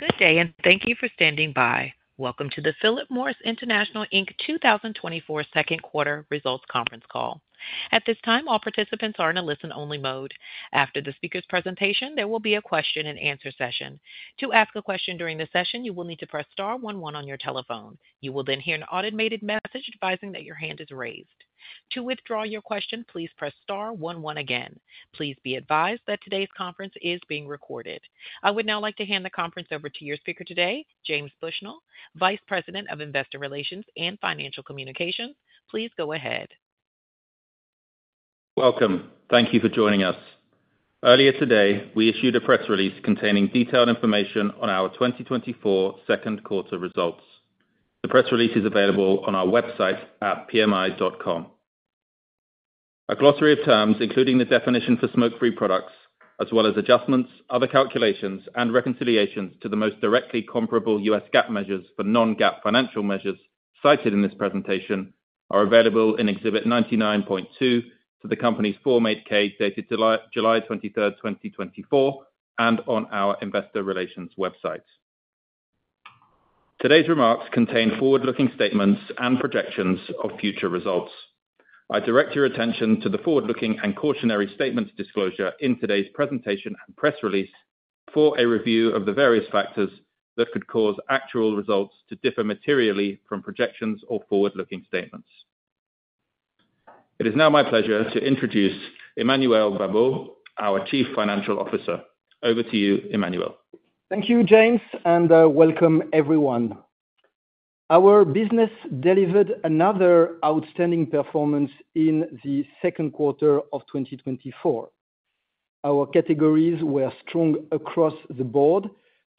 Good day, and thank you for standing by. Welcome to the Philip Morris International Inc. 2024 second quarter results conference call. At this time, all participants are in a listen-only mode. After the speaker's presentation, there will be a question-and-answer session. To ask a question during the session, you will need to press star one one on your telephone. You will then hear an automated message advising that your hand is raised. To withdraw your question, please press star one one again. Please be advised that today's conference is being recorded. I would now like to hand the conference over to your speaker today, James Bushnell, Vice President of Investor Relations and Financial Communications. Please go ahead. Welcome. Thank you for joining us. Earlier today, we issued a press release containing detailed information on our 2024 second quarter results. The press release is available on our website at pmi.com. A glossary of terms, including the definition for smoke-free products, as well as adjustments, other calculations, and reconciliations to the most directly comparable U.S. GAAP measures for non-GAAP financial measures cited in this presentation, are available in Exhibit 99.2 to the company's Form 8-K dated July 23rd, 2024, and on our Investor Relations website. Today's remarks contain forward-looking statements and projections of future results. I direct your attention to the forward-looking and cautionary statements disclosure in today's presentation and press release for a review of the various factors that could cause actual results to differ materially from projections or forward-looking statements. It is now my pleasure to introduce Emmanuel Babeau, our Chief Financial Officer. Over to you, Emmanuel. Thank you, James, and welcome, everyone. Our business delivered another outstanding performance in the second quarter of 2024. Our categories were strong across the board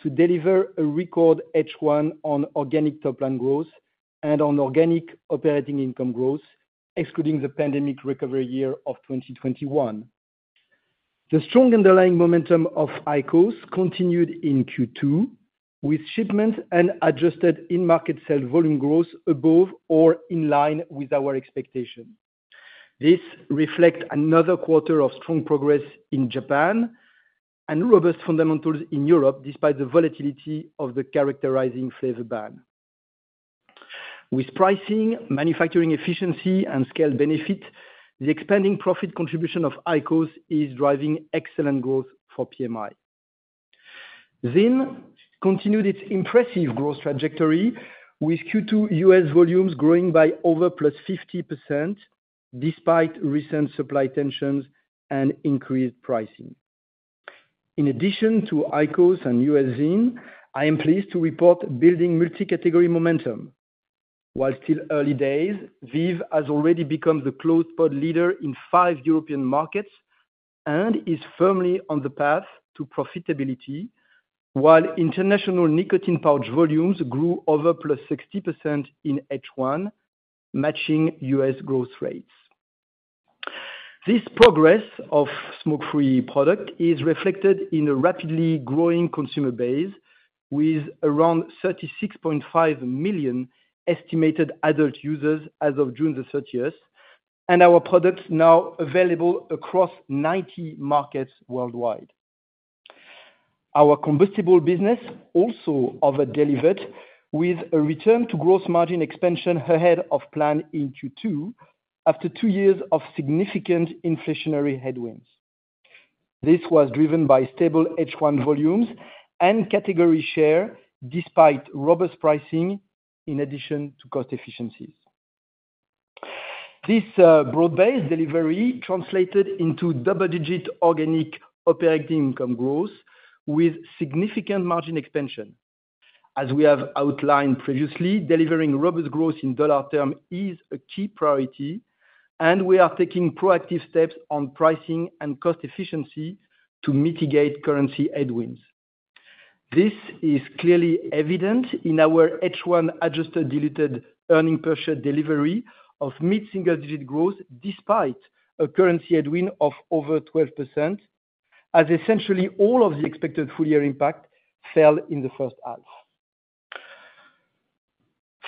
to deliver a record H1 on organic top-line growth and on organic operating income growth, excluding the pandemic recovery year of 2021. The strong underlying momentum of IQOS continued in Q2, with shipment and adjusted in-market sales volume growth above or in line with our expectations. This reflects another quarter of strong progress in Japan and robust fundamentals in Europe, despite the volatility of the characterizing flavor ban. With pricing, manufacturing efficiency, and scale benefit, the expanding profit contribution of IQOS is driving excellent growth for PMI. ZYN continued its impressive growth trajectory, with Q2 U.S. volumes growing by over +50% despite recent supply tensions and increased pricing. In addition to IQOS and U.S. ZYN, I am pleased to report building multi-category momentum. While still early days, VEEV has already become the closed-pod leader in five European markets and is firmly on the path to profitability, while international nicotine pouch volumes grew over +60% in H1, matching U.S. growth rates. This progress of smoke-free products is reflected in a rapidly growing consumer base, with around 36.5 million estimated adult users as of June 30th, and our products now available across 90 markets worldwide. Our combustible business also over-delivered, with a return-to-gross margin expansion ahead of plan in Q2 after two years of significant inflationary headwinds. This was driven by stable H1 volumes and category share despite robust pricing in addition to cost efficiencies. This broad-based delivery translated into double-digit organic operating income growth with significant margin expansion. As we have outlined previously, delivering robust growth in dollar terms is a key priority, and we are taking proactive steps on pricing and cost efficiency to mitigate currency headwinds. This is clearly evident in our H1 adjusted diluted earnings per share delivery of mid-single-digit growth despite a currency headwind of over 12%, as essentially all of the expected full-year impact fell in the first half.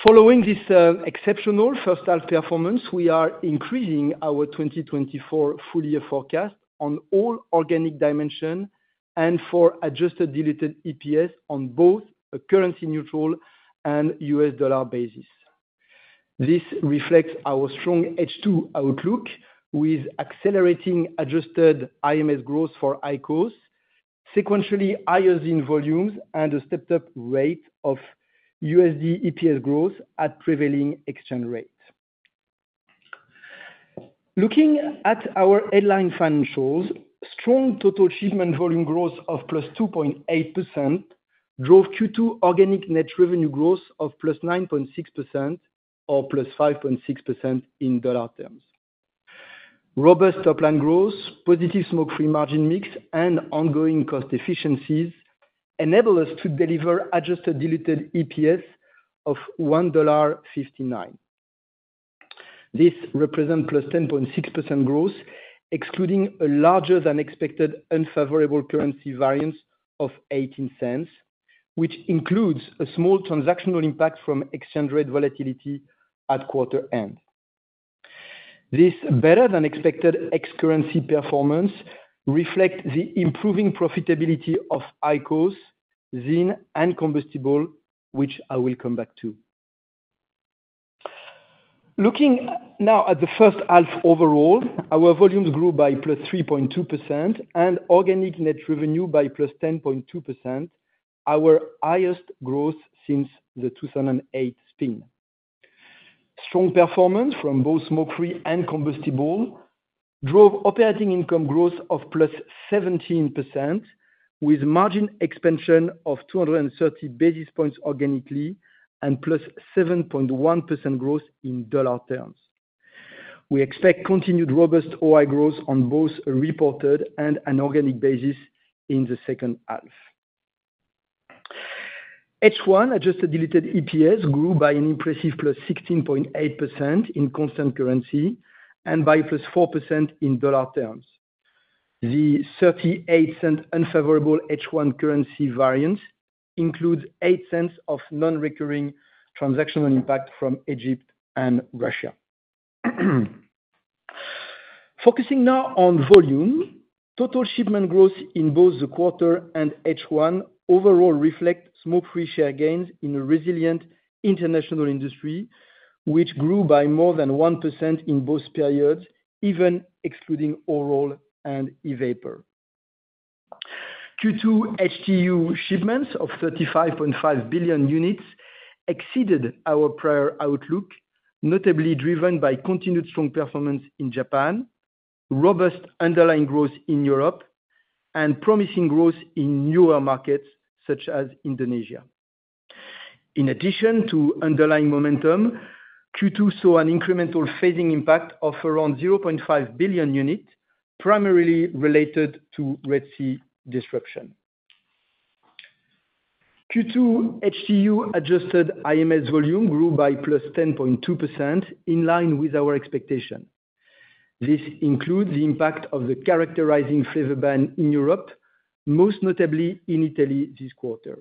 Following this exceptional first-half performance, we are increasing our 2024 full-year forecast on all organic dimensions and for adjusted diluted EPS on both a currency-neutral and U.S. dollar basis. This reflects our strong H2 outlook, with accelerating adjusted IMS growth for IQOS, sequentially higher ZYN volumes, and a stepped-up rate of USD EPS growth at prevailing exchange rates. Looking at our headline financials, strong total shipment volume growth of +2.8% drove Q2 organic net revenue growth of +9.6% or +5.6% in dollar terms. Robust top-line growth, positive smoke-free margin mix, and ongoing cost efficiencies enable us to deliver adjusted diluted EPS of $1.59. This represents +10.6% growth, excluding a larger than expected unfavorable currency variance of $0.18, which includes a small transactional impact from exchange rate volatility at quarter end. This better than expected ex-currency performance reflects the improving profitability of IQOS, ZYN, and combustible, which I will come back to. Looking now at the first half overall, our volumes grew by +3.2% and organic net revenue by +10.2%, our highest growth since the 2008 spin. Strong performance from both smoke-free and combustible drove operating income growth of +17%, with margin expansion of 230 basis points organically and +7.1% growth in dollar terms. We expect continued robust OI growth on both reported and an organic basis in the second half. H1 adjusted diluted EPS grew by an impressive +16.8% in constant currency and by +4% in dollar terms. The $0.38 unfavorable H1 currency variance includes $0.08 of non-recurring transactional impact from Egypt and Russia. Focusing now on volume, total shipment growth in both the quarter and H1 overall reflects smoke-free share gains in a resilient international industry, which grew by more than 1% in both periods, even excluding oral and e-vapor. Q2 HTU shipments of 35.5 billion units exceeded our prior outlook, notably driven by continued strong performance in Japan, robust underlying growth in Europe, and promising growth in newer markets such as Indonesia. In addition to underlying momentum, Q2 saw an incremental phasing impact of around 0.5 billion units, primarily related to Red Sea disruption. Q2 HTU adjusted IMS volume grew by +10.2%, in line with our expectation. This includes the impact of the characterizing flavor ban in Europe, most notably in Italy this quarter.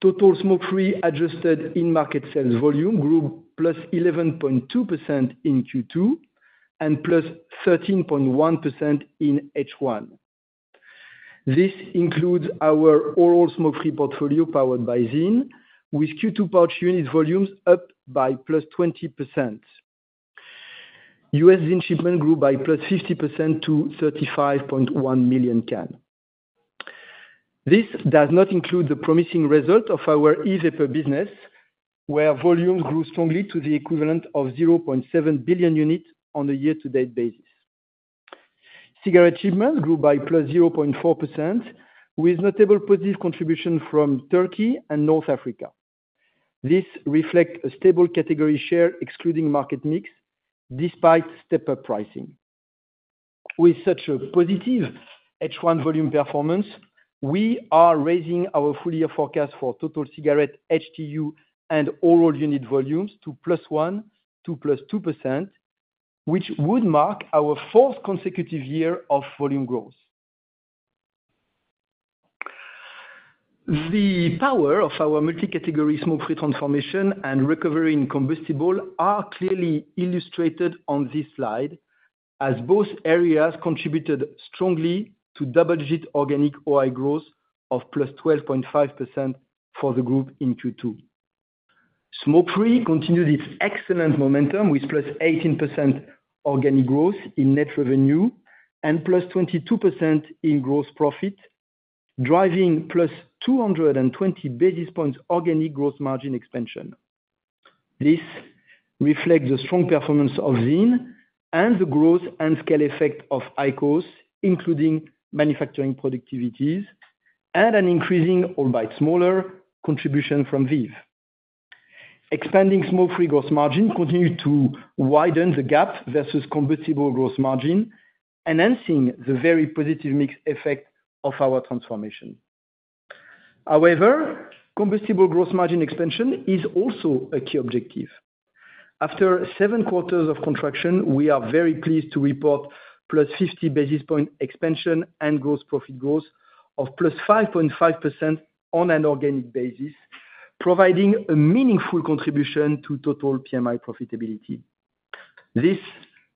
Total smoke-free adjusted in-market sales volume grew +11.2% in Q2 and +13.1% in H1. This includes our oral smoke-free portfolio powered by ZYN, with Q2 pouch unit volumes up by +20%. U.S. ZYN shipment grew by +50% to 35.1 million can. This does not include the promising result of our e-vapor business, where volumes grew strongly to the equivalent of 0.7 billion units on a year-to-date basis. Cigarette shipments grew by +0.4%, with notable positive contribution from Turkey and North Africa. This reflects a stable category share, excluding market mix, despite stepped-up pricing. With such a positive H1 volume performance, we are raising our full-year forecast for total cigarette HTU and oral unit volumes to +1% to +2%, which would mark our fourth consecutive year of volume growth. The power of our multi-category smoke-free transformation and recovery in combustible are clearly illustrated on this slide, as both areas contributed strongly to double-digit organic OI growth of +12.5% for the group in Q2. Smoke-free continued its excellent momentum with +18% organic growth in net revenue and +22% in gross profit, driving +220 basis points organic gross margin expansion. This reflects the strong performance of ZYN and the growth and scale effect of IQOS, including manufacturing productivities and an increasingly smaller contribution from VEEV. Expanding smoke-free gross margin continued to widen the gap versus combustible gross margin, enhancing the very positive mix effect of our transformation. However, combustible gross margin expansion is also a key objective. After seven quarters of contraction, we are very pleased to report +50 basis points expansion and gross profit growth of +5.5% on an organic basis, providing a meaningful contribution to total PMI profitability. This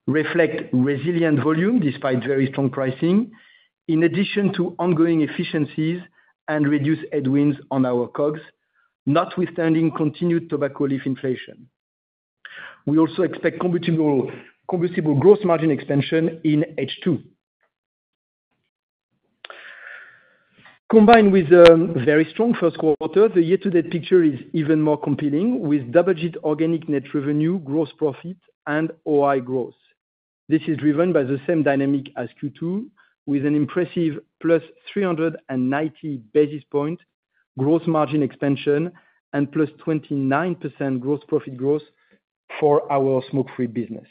reflects resilient volume despite very strong pricing, in addition to ongoing efficiencies and reduced headwinds on our COGS, notwithstanding continued tobacco leaf inflation. We also expect combustible gross margin expansion in H2. Combined with a very strong first quarter, the year-to-date picture is even more compelling with double-digit organic net revenue, gross profit, and OI growth. This is driven by the same dynamic as Q2, with an impressive plus 390 basis point gross margin expansion and plus 29% gross profit growth for our smoke-free business.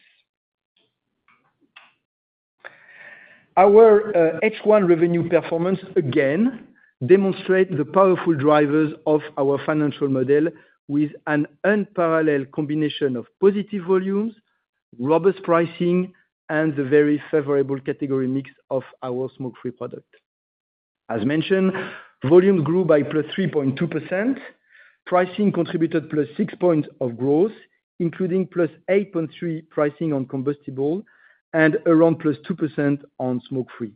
Our H1 revenue performance again demonstrates the powerful drivers of our financial model with an unparalleled combination of positive volumes, robust pricing, and the very favorable category mix of our smoke-free product. As mentioned, volumes grew by plus 3.2%. Pricing contributed plus 6 points of growth, including plus 8.3% pricing on combustible and around plus 2% on smoke-free.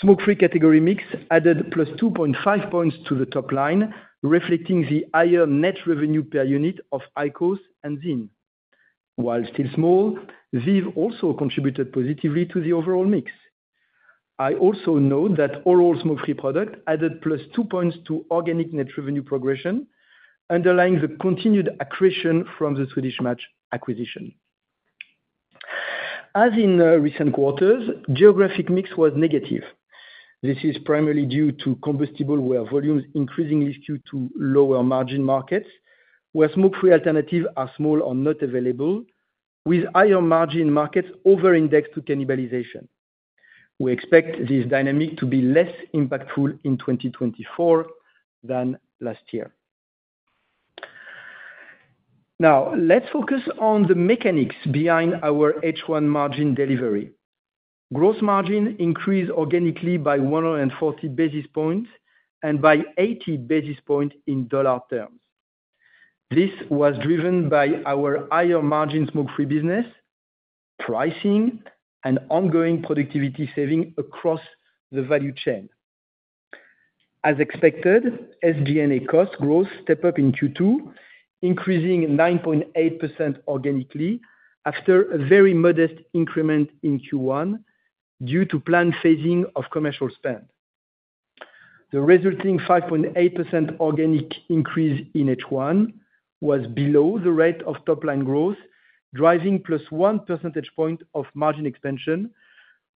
Smoke-free category mix added plus 2.5 points to the top line, reflecting the higher net revenue per unit of IQOS and ZYN. While still small, VEEV also contributed positively to the overall mix. I also note that oral smoke-free products added +2 points to organic net revenue progression, underlying the continued accretion from the Swedish Match acquisition. As in recent quarters, geographic mix was negative. This is primarily due to combustibles, where volumes increasingly skew to lower margin markets, where smoke-free alternatives are small or not available, with higher margin markets over-indexed to cannibalization. We expect this dynamic to be less impactful in 2024 than last year. Now, let's focus on the mechanics behind our H1 margin delivery. Gross margin increased organically by 140 basis points and by 80 basis points in dollar terms. This was driven by our higher margin smoke-free business, pricing, and ongoing productivity savings across the value chain. As expected, SG&A cost growth stepped up in Q2, increasing 9.8% organically after a very modest increment in Q1 due to planned phasing of commercial spend. The resulting 5.8% organic increase in H1 was below the rate of top-line growth, driving plus 1 percentage point of margin expansion,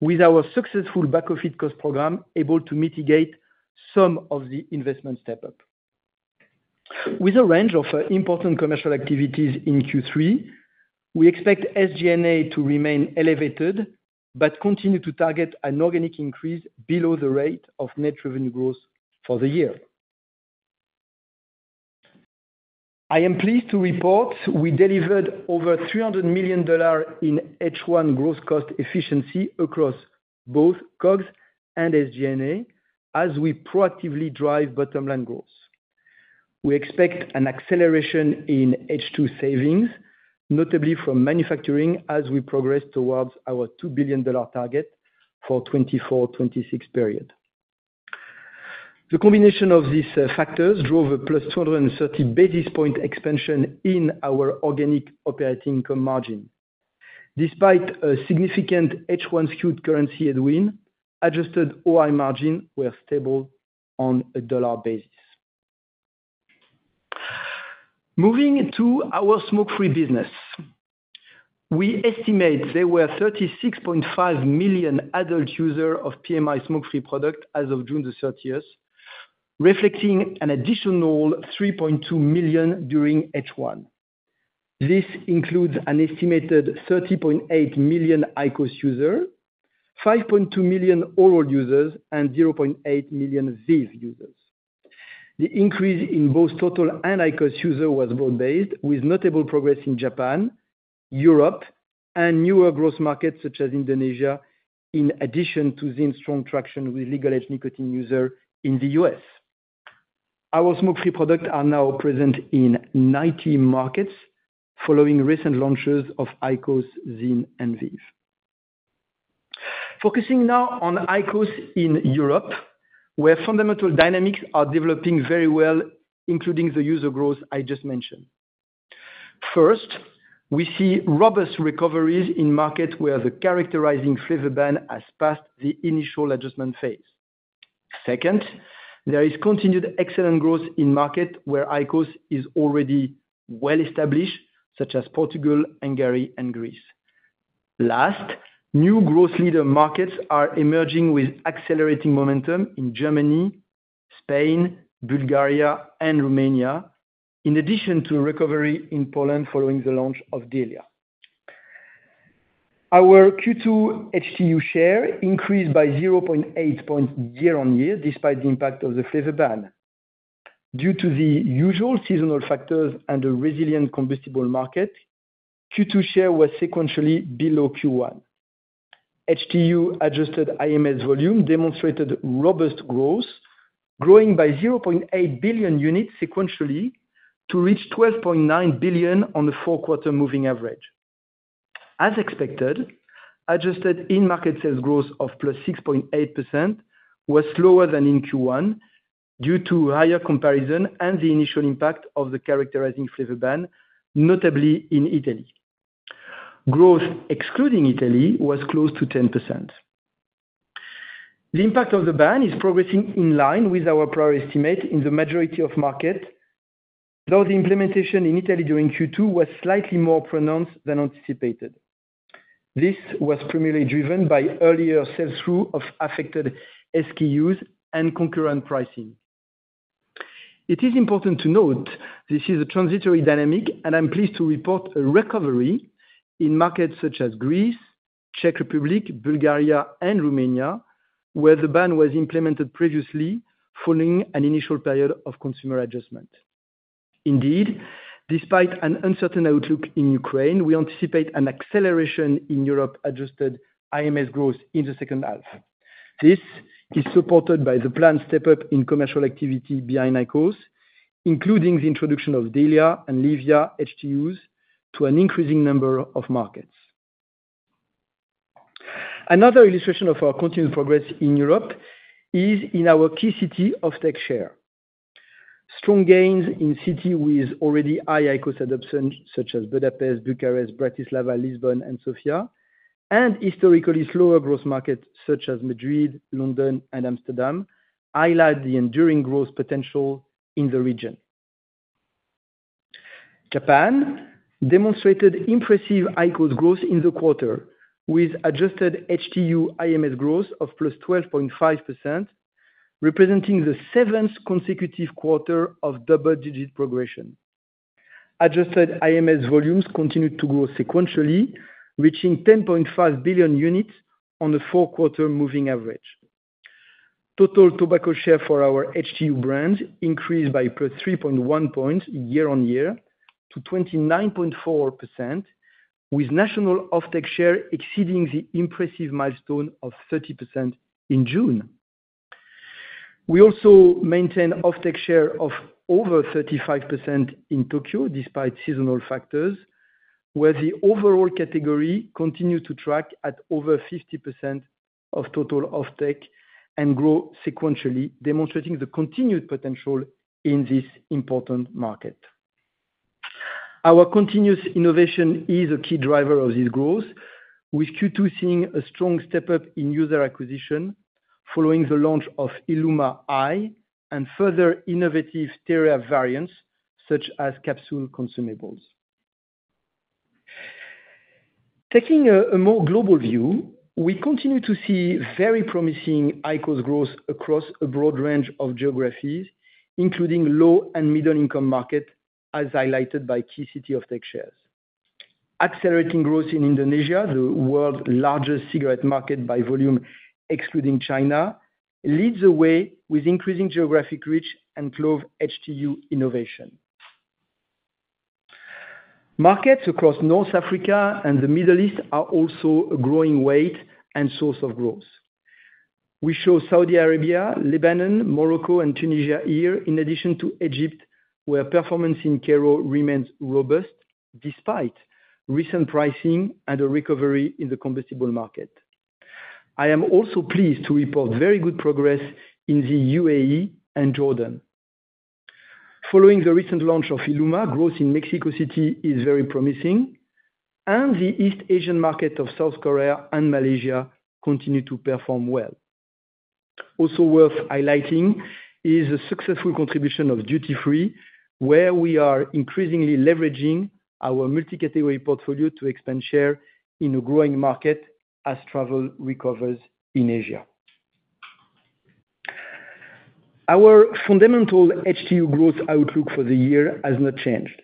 with our successful back-to-fit cost program able to mitigate some of the investment step-up. With a range of important commercial activities in Q3, we expect SG&A to remain elevated but continue to target an organic increase below the rate of net revenue growth for the year. I am pleased to report we delivered over $300 million in H1 gross cost efficiency across both COGS and SG&A as we proactively drive bottom-line growth. We expect an acceleration in H2 savings, notably from manufacturing, as we progress towards our $2 billion target for the 2024-2026 period. The combination of these factors drove a +230 basis points expansion in our organic operating income margin. Despite a significant H1 skewed currency headwind, adjusted OI margin was stable on a dollar basis. Moving to our smoke-free business, we estimate there were 36.5 million adult users of PMI smoke-free product as of June 30, reflecting an additional 3.2 million during H1. This includes an estimated 30.8 million IQOS users, 5.2 million oral users, and 0.8 million VEEV users. The increase in both total and IQOS users was broad-based, with notable progress in Japan, Europe, and newer growth markets such as Indonesia, in addition to ZYN's strong traction with legal age nicotine users in the U.S. Our smoke-free products are now present in 90 markets, following recent launches of IQOS, ZYN, and VEEV. Focusing now on IQOS in Europe, where fundamental dynamics are developing very well, including the user growth I just mentioned. First, we see robust recoveries in markets where the characterizing flavor ban has passed the initial adjustment phase. Second, there is continued excellent growth in markets where IQOS is already well established, such as Portugal, Hungary, and Greece. Last, new growth leader markets are emerging with accelerating momentum in Germany, Spain, Bulgaria, and Romania, in addition to a recovery in Poland following the launch of DELIA. Our Q2 HTU share increased by 0.8 points year-on-year, despite the impact of the flavor ban. Due to the usual seasonal factors and a resilient combustible market, Q2 share was sequentially below Q1. HTU adjusted IMS volume demonstrated robust growth, growing by 0.8 billion units sequentially to reach 12.9 billion on the four-quarter moving average. As expected, adjusted in-market sales growth of +6.8% was slower than in Q1 due to higher comparison and the initial impact of the characterizing flavor ban, notably in Italy. Growth excluding Italy was close to 10%. The impact of the ban is progressing in line with our prior estimate in the majority of markets, though the implementation in Italy during Q2 was slightly more pronounced than anticipated. This was primarily driven by earlier sell-through of affected SKUs and concurrent pricing. It is important to note this is a transitory dynamic, and I'm pleased to report a recovery in markets such as Greece, Czech Republic, Bulgaria, and Romania, where the ban was implemented previously following an initial period of consumer adjustment. Indeed, despite an uncertain outlook in Ukraine, we anticipate an acceleration in Europe-adjusted IMS growth in the second half. This is supported by the planned step-up in commercial activity behind IQOS, including the introduction of DELIA and LEVIA HTUs to an increasing number of markets. Another illustration of our continued progress in Europe is in our key city IQOS share. Strong gains in cities with already high IQOS adoption, such as Budapest, Bucharest, Bratislava, Lisbon, and Sofia, and historically slower growth markets such as Madrid, London, and Amsterdam, highlight the enduring growth potential in the region. Japan demonstrated impressive IQOS growth in the quarter, with adjusted HTU IMS growth of +12.5%, representing the seventh consecutive quarter of double-digit progression. Adjusted IMS volumes continued to grow sequentially, reaching 10.5 billion units on the four-quarter moving average. Total tobacco share for our HTU brand increased by +3.1 points year-on-year to 29.4%, with national IQOS share exceeding the impressive milestone of 30% in June. We also maintained IQOS share of over 35% in Tokyo, despite seasonal factors, where the overall category continued to track at over 50% of total IQOS and grow sequentially, demonstrating the continued potential in this important market. Our continuous innovation is a key driver of this growth, with Q2 seeing a strong step-up in user acquisition following the launch of IQOS ILUMA i and further innovative TEREA variants such as capsule consumables. Taking a more global view, we continue to see very promising IQOS growth across a broad range of geographies, including low and middle-income markets, as highlighted by key city IQOS shares. Accelerating growth in Indonesia, the world's largest cigarette market by volume excluding China, leads the way with increasing geographic reach and close HTU innovation. Markets across North Africa and the Middle East are also a growing weight and source of growth. We show Saudi Arabia, Lebanon, Morocco, and Tunisia here, in addition to Egypt, where performance in Cairo remains robust despite recent pricing and a recovery in the combustible market. I am also pleased to report very good progress in the UAE and Jordan. Following the recent launch of ILUMA, growth in Mexico City is very promising, and the East Asian market of South Korea and Malaysia continue to perform well. Also worth highlighting is the successful contribution of Duty Free, where we are increasingly leveraging our multi-category portfolio to expand share in a growing market as travel recovers in Asia. Our fundamental HTU growth outlook for the year has not changed.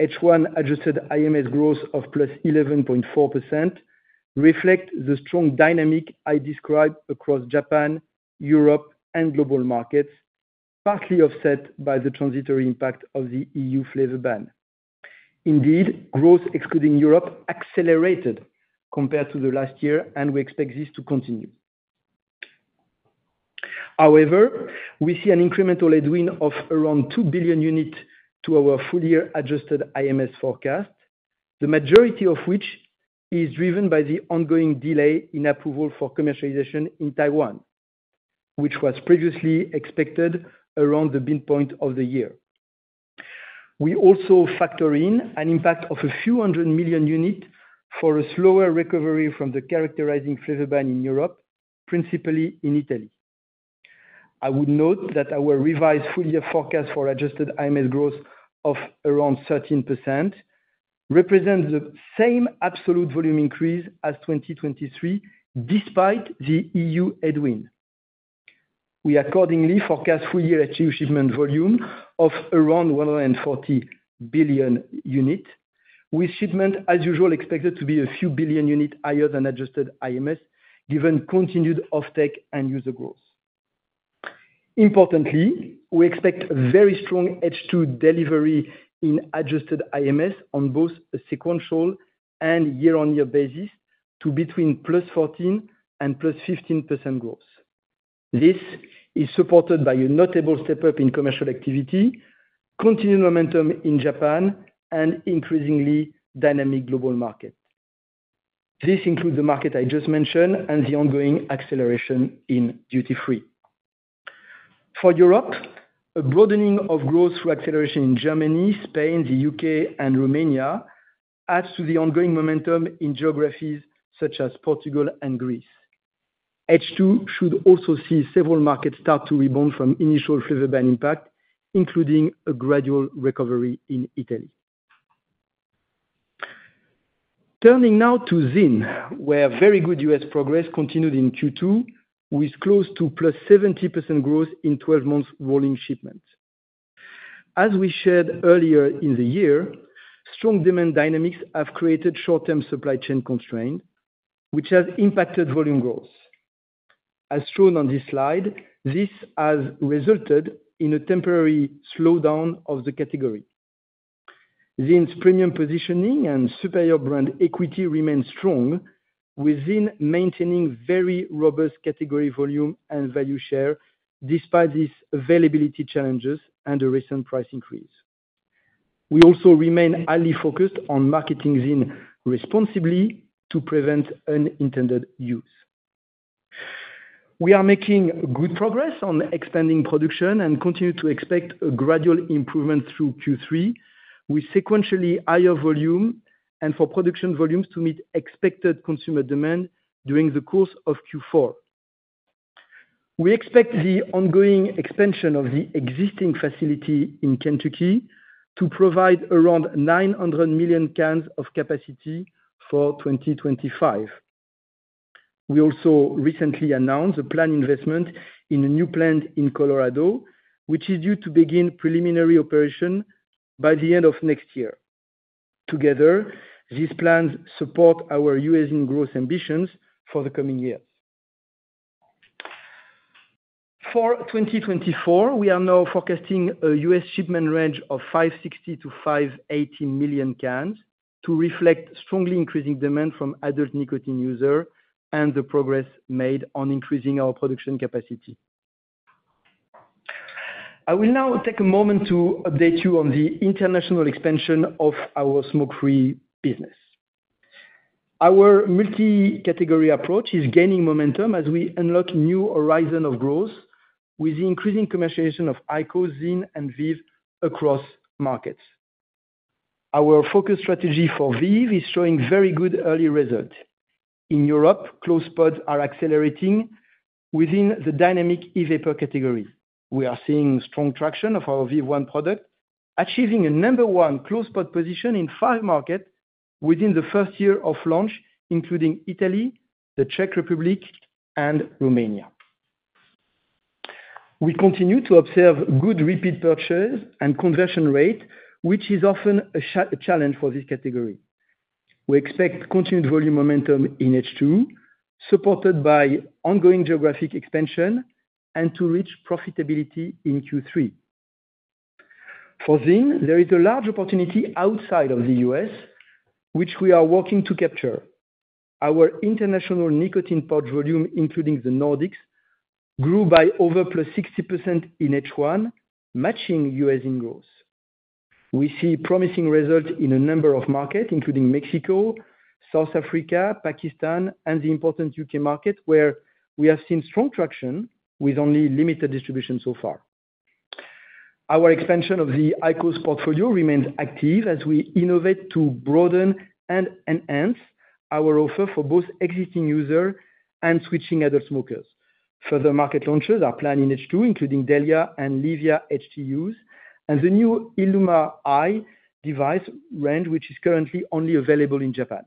H1 adjusted IMS growth of +11.4% reflects the strong dynamic I described across Japan, Europe, and global markets, partly offset by the transitory impact of the EU flavor ban. Indeed, growth excluding Europe accelerated compared to the last year, and we expect this to continue. However, we see an incremental headwind of around 2 billion units to our full-year adjusted IMS forecast, the majority of which is driven by the ongoing delay in approval for commercialization in Taiwan, which was previously expected around the midpoint of the year. We also factor in an impact of a few hundred million units for a slower recovery from the characterizing flavor ban in Europe, principally in Italy. I would note that our revised full-year forecast for adjusted IMS growth of around 13% represents the same absolute volume increase as 2023, despite the EU headwind. We accordingly forecast full-year HTU shipment volume of around 140 billion units, with shipment, as usual, expected to be a few billion units higher than adjusted IMS, given continued offtake and user growth. Importantly, we expect a very strong H2 delivery in adjusted IMS on both a sequential and year-on-year basis to between +14% and +15% growth. This is supported by a notable step-up in commercial activity, continued momentum in Japan, and increasingly dynamic global markets. This includes the market I just mentioned and the ongoing acceleration in Duty Free. For Europe, a broadening of growth through acceleration in Germany, Spain, the U.K., and Romania adds to the ongoing momentum in geographies such as Portugal and Greece. H2 should also see several markets start to rebound from initial flavor ban impact, including a gradual recovery in Italy. Turning now to ZYN, where very good U.S. progress continued in Q2, with close to +70% growth in 12-month rolling shipments. As we shared earlier in the year, strong demand dynamics have created short-term supply chain constraints, which have impacted volume growth. As shown on this slide, this has resulted in a temporary slowdown of the category. ZYN's premium positioning and superior brand equity remain strong, with ZYN maintaining very robust category volume and value share despite these availability challenges and the recent price increase. We also remain highly focused on marketing ZYN responsibly to prevent unintended use. We are making good progress on expanding production and continue to expect a gradual improvement through Q3, with sequentially higher volume and for production volumes to meet expected consumer demand during the course of Q4. We expect the ongoing expansion of the existing facility in Kentucky to provide around 900 million cans of capacity for 2025. We also recently announced a planned investment in a new plant in Colorado, which is due to begin preliminary operation by the end of next year. Together, these plans support our U.S. in-market growth ambitions for the coming years. For 2024, we are now forecasting a U.S. shipment range of 560-580 million cans to reflect strongly increasing demand from adult nicotine users and the progress made on increasing our production capacity. I will now take a moment to update you on the international expansion of our smoke-free business. Our multi-category approach is gaining momentum as we unlock new horizons of growth with the increasing commercialization of IQOS, ZYN, and VEEV across markets. Our focus strategy for VEEV is showing very good early results. In Europe, closed pods are accelerating within the dynamic e-vapor category. We are seeing strong traction of our VEEV ONE product, achieving a number one closed pod position in five markets within the first year of launch, including Italy, the Czech Republic, and Romania. We continue to observe good repeat purchase and conversion rate, which is often a challenge for this category. We expect continued volume momentum in H2, supported by ongoing geographic expansion and to reach profitability in Q3. For ZYN, there is a large opportunity outside of the U.S., which we are working to capture. Our international nicotine pouch volume, including the Nordics, grew by over +60% in H1, matching U.S. ZYN growth. We see promising results in a number of markets, including Mexico, South Africa, Pakistan, and the important U.K. market, where we have seen strong traction with only limited distribution so far. Our expansion of the IQOS portfolio remains active as we innovate to broaden and enhance our offer for both existing users and switching adult smokers. Further market launches are planned in H2, including DELIA and LEVIA HTUs, and the new IQOS ILUMA i device range, which is currently only available in Japan.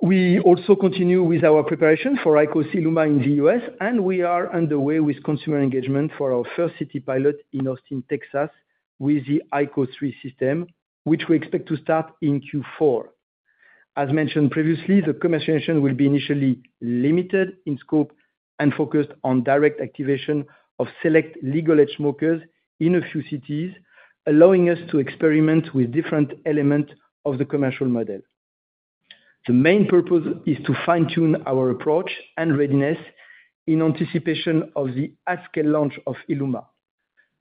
We also continue with our preparations for IQOS ILUMA in the U.S., and we are underway with consumer engagement for our first city pilot in Austin, Texas, with the IQOS 3 system, which we expect to start in Q4. As mentioned previously, the commercialization will be initially limited in scope and focused on direct activation of select legal-age smokers in a few cities, allowing us to experiment with different elements of the commercial model. The main purpose is to fine-tune our approach and readiness in anticipation of the IQOS and launch of ILUMA.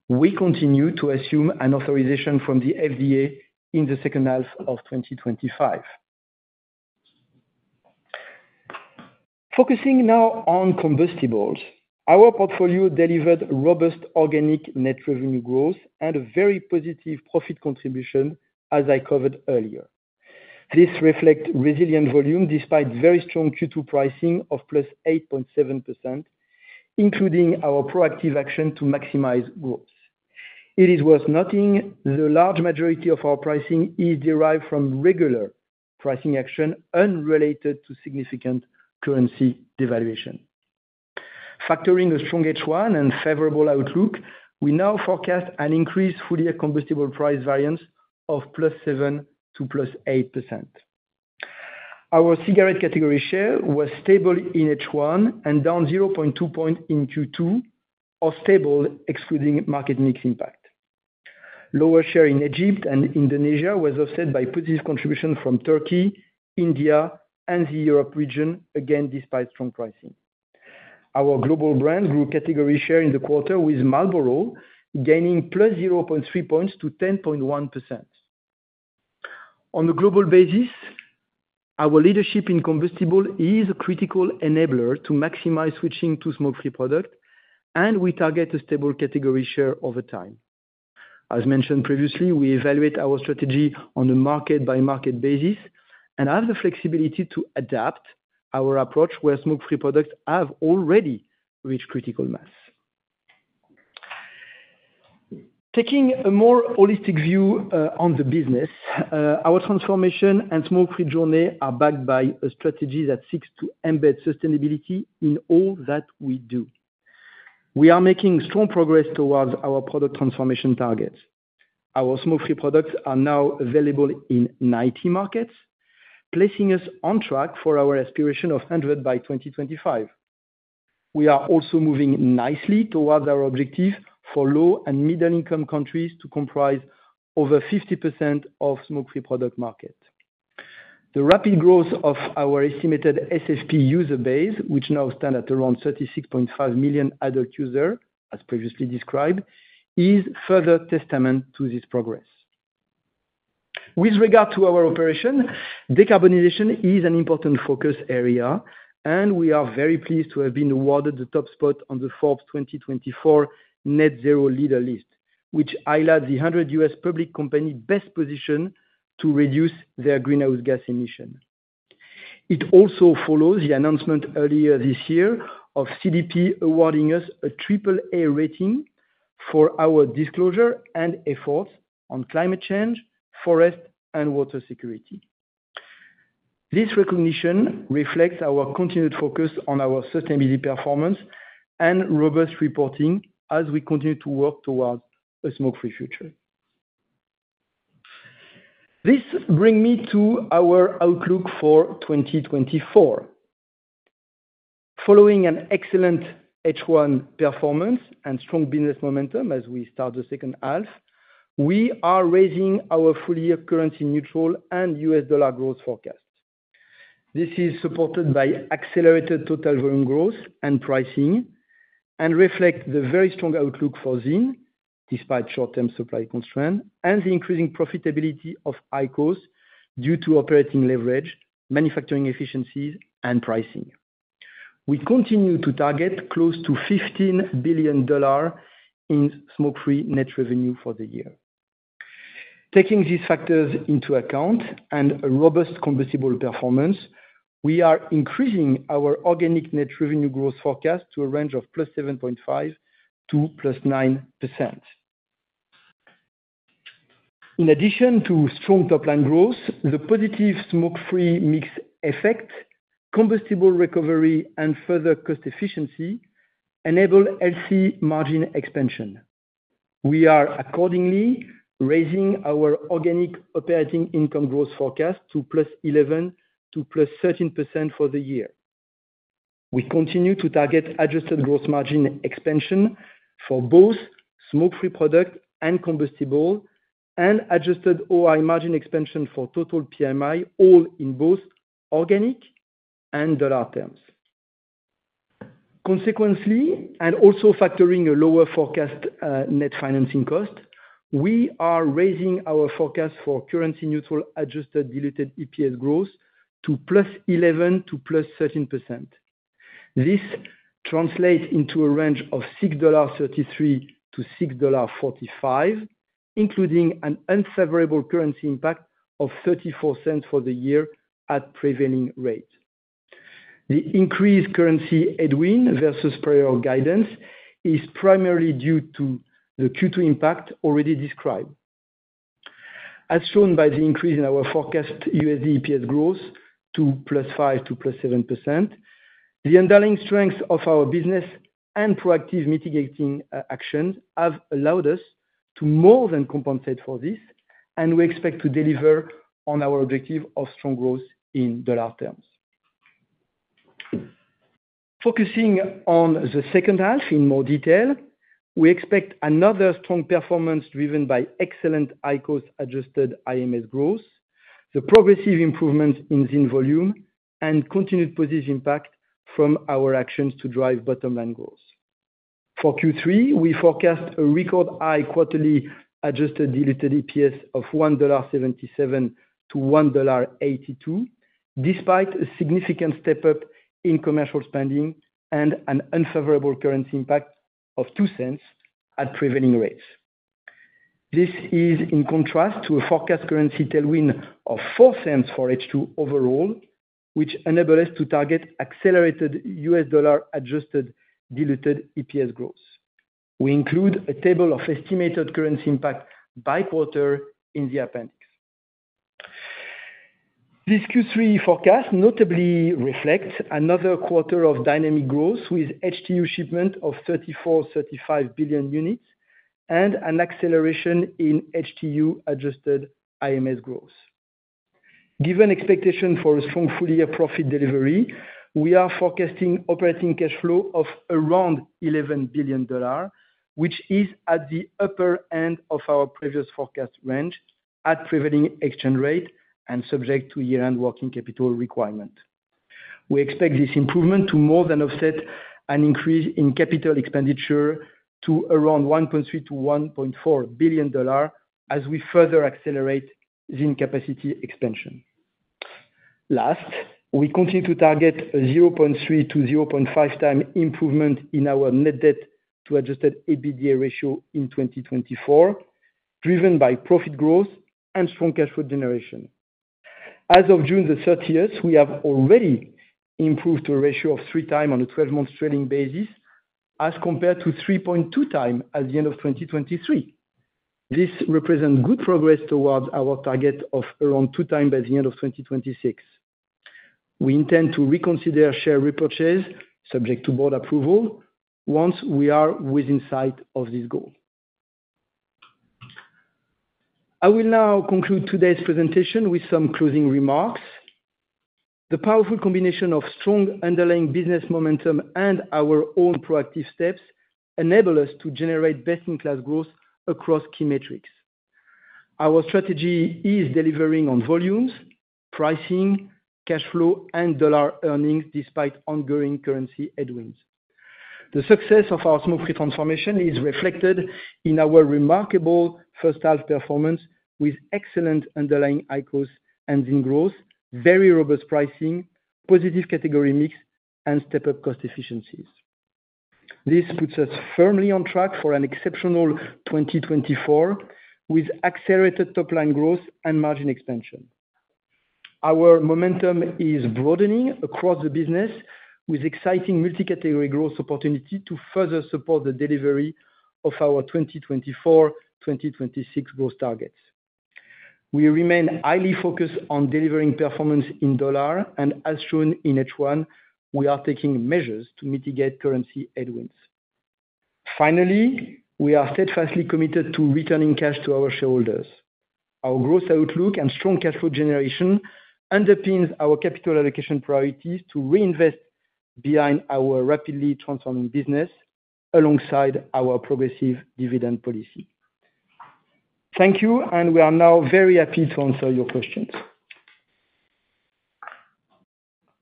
We continue to assume an authorization from the FDA in the second half of 2025. Focusing now on combustibles, our portfolio delivered robust organic net revenue growth and a very positive profit contribution, as I covered earlier. This reflects resilient volume despite very strong Q2 pricing of +8.7%, including our proactive action to maximize growth. It is worth noting the large majority of our pricing is derived from regular pricing action unrelated to significant currency devaluation. Factoring a strong H1 and favorable outlook, we now forecast an increased full-year combustible price variance of +7% to +8%. Our cigarette category share was stable in H1 and down -0.2 points in Q2, or stable excluding market mix impact. Lower share in Egypt and Indonesia was offset by positive contribution from Turkey, India, and the Europe region, again despite strong pricing. Our global brand grew category share in the quarter with Marlboro gaining +0.3 points to 10.1%. On a global basis, our leadership in combustible is a critical enabler to maximize switching to smoke-free products, and we target a stable category share over time. As mentioned previously, we evaluate our strategy on a market-by-market basis and have the flexibility to adapt our approach where smoke-free products have already reached critical mass. Taking a more holistic view on the business, our transformation and smoke-free journey are backed by strategies that seek to embed sustainability in all that we do. We are making strong progress towards our product transformation targets. Our smoke-free products are now available in 90 markets, placing us on track for our aspiration of 100 by 2025. We are also moving nicely towards our objective for low and middle-income countries to comprise over 50% of the smoke-free product market. The rapid growth of our estimated SFP user base, which now stands at around 36.5 million adult users, as previously described, is further testament to this progress. With regard to our operation, decarbonization is an important focus area, and we are very pleased to have been awarded the top spot on the Forbes 2024 Net Zero Leader list, which highlights the 100 U.S. public company's best position to reduce their greenhouse gas emissions. It also follows the announcement earlier this year of CDP awarding us a triple-A rating for our disclosure and efforts on climate change, forest, and water security. This recognition reflects our continued focus on our sustainability performance and robust reporting as we continue to work towards a smoke-free future. This brings me to our outlook for 2024. Following an excellent H1 performance and strong business momentum as we start the second half, we are raising our full-year currency neutral and U.S. dollar growth forecasts. This is supported by accelerated total volume growth and pricing and reflects the very strong outlook for ZYN, despite short-term supply constraints and the increasing profitability of IQOS due to operating leverage, manufacturing efficiencies, and pricing. We continue to target close to $15 billion in smoke-free net revenue for the year. Taking these factors into account and robust combustible performance, we are increasing our organic net revenue growth forecast to a range of +7.5% to +9%. In addition to strong top-line growth, the positive smoke-free mix effect, combustible recovery, and further cost efficiency enable healthy margin expansion. We are accordingly raising our organic operating income growth forecast to +11% to +13% for the year. We continue to target adjusted gross margin expansion for both smoke-free products and combustibles and adjusted OI margin expansion for total PMI, all in both organic and dollar terms. Consequently, and also factoring a lower forecast net financing cost, we are raising our forecast for currency-neutral adjusted diluted EPS growth to 11%-13%. This translates into a range of $6.33-$6.45, including an unfavorable currency impact of $0.34 for the year at prevailing rates. The increased currency headwind versus prior guidance is primarily due to the Q2 impact already described. As shown by the increase in our forecast USD EPS growth to 5%-7%, the underlying strength of our business and proactive mitigating actions have allowed us to more than compensate for this, and we expect to deliver on our objective of strong growth in dollar terms. Focusing on the second half in more detail, we expect another strong performance driven by excellent IQOS adjusted IMS growth, the progressive improvement in ZYN volume, and continued positive impact from our actions to drive bottom-line growth. For Q3, we forecast a record high quarterly adjusted diluted EPS of $1.77-$1.82, despite a significant step-up in commercial spending and an unfavorable currency impact of $0.02 at prevailing rates. This is in contrast to a forecast currency tailwind of $0.04 for H2 overall, which enables us to target accelerated U.S. dollar adjusted diluted EPS growth. We include a table of estimated currency impact by quarter in the appendix. This Q3 forecast notably reflects another quarter of dynamic growth with H2 shipment of 34-35 billion units and an acceleration in H2 adjusted IMS growth. Given expectations for a strong full-year profit delivery, we are forecasting operating cash flow of around $11 billion, which is at the upper end of our previous forecast range at prevailing exchange rate and subject to year-end working capital requirement. We expect this improvement to more than offset an increase in capital expenditure to around $1.3-$1.4 billion as we further accelerate ZYN capacity expansion. Last, we continue to target a 0.3-0.5-time improvement in our net debt to Adjusted EBITDA ratio in 2024, driven by profit growth and strong cash flow generation. As of June 30, we have already improved to a ratio of 3x on a 12-month trailing basis as compared to 3.2x at the end of 2023. This represents good progress towards our target of around 2x by the end of 2026. We intend to reconsider share repurchase, subject to board approval, once we are within sight of this goal. I will now conclude today's presentation with some closing remarks. The powerful combination of strong underlying business momentum and our own proactive steps enables us to generate best-in-class growth across key metrics. Our strategy is delivering on volumes, pricing, cash flow, and dollar earnings despite ongoing currency headwinds. The success of our smoke-free transformation is reflected in our remarkable first-half performance with excellent underlying IQOS and ZYN growth, very robust pricing, positive category mix, and step-up cost efficiencies. This puts us firmly on track for an exceptional 2024 with accelerated top-line growth and margin expansion. Our momentum is broadening across the business with exciting multi-category growth opportunities to further support the delivery of our 2024-2026 growth targets. We remain highly focused on delivering performance in dollar, and as shown in H1, we are taking measures to mitigate currency headwinds. Finally, we are steadfastly committed to returning cash to our shareholders. Our growth outlook and strong cash flow generation underpins our capital allocation priorities to reinvest behind our rapidly transforming business alongside our progressive dividend policy. Thank you, and we are now very happy to answer your questions.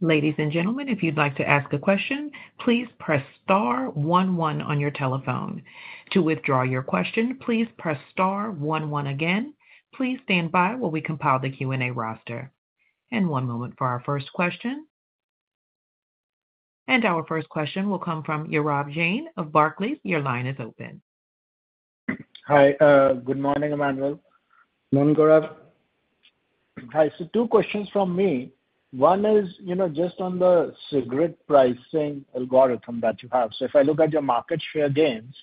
Ladies and gentlemen, if you'd like to ask a question, please press star one one on your telephone. To withdraw your question, please press star one one again. Please stand by while we compile the Q&A roster. One moment for our first question. Our first question will come from Gaurav Jain of Barclays. Your line is open. Hi. Good morning, Emmanuel. Morning, Gaurav. Hi. So two questions from me. One is just on the cigarette pricing algorithm that you have. So if I look at your market share gains,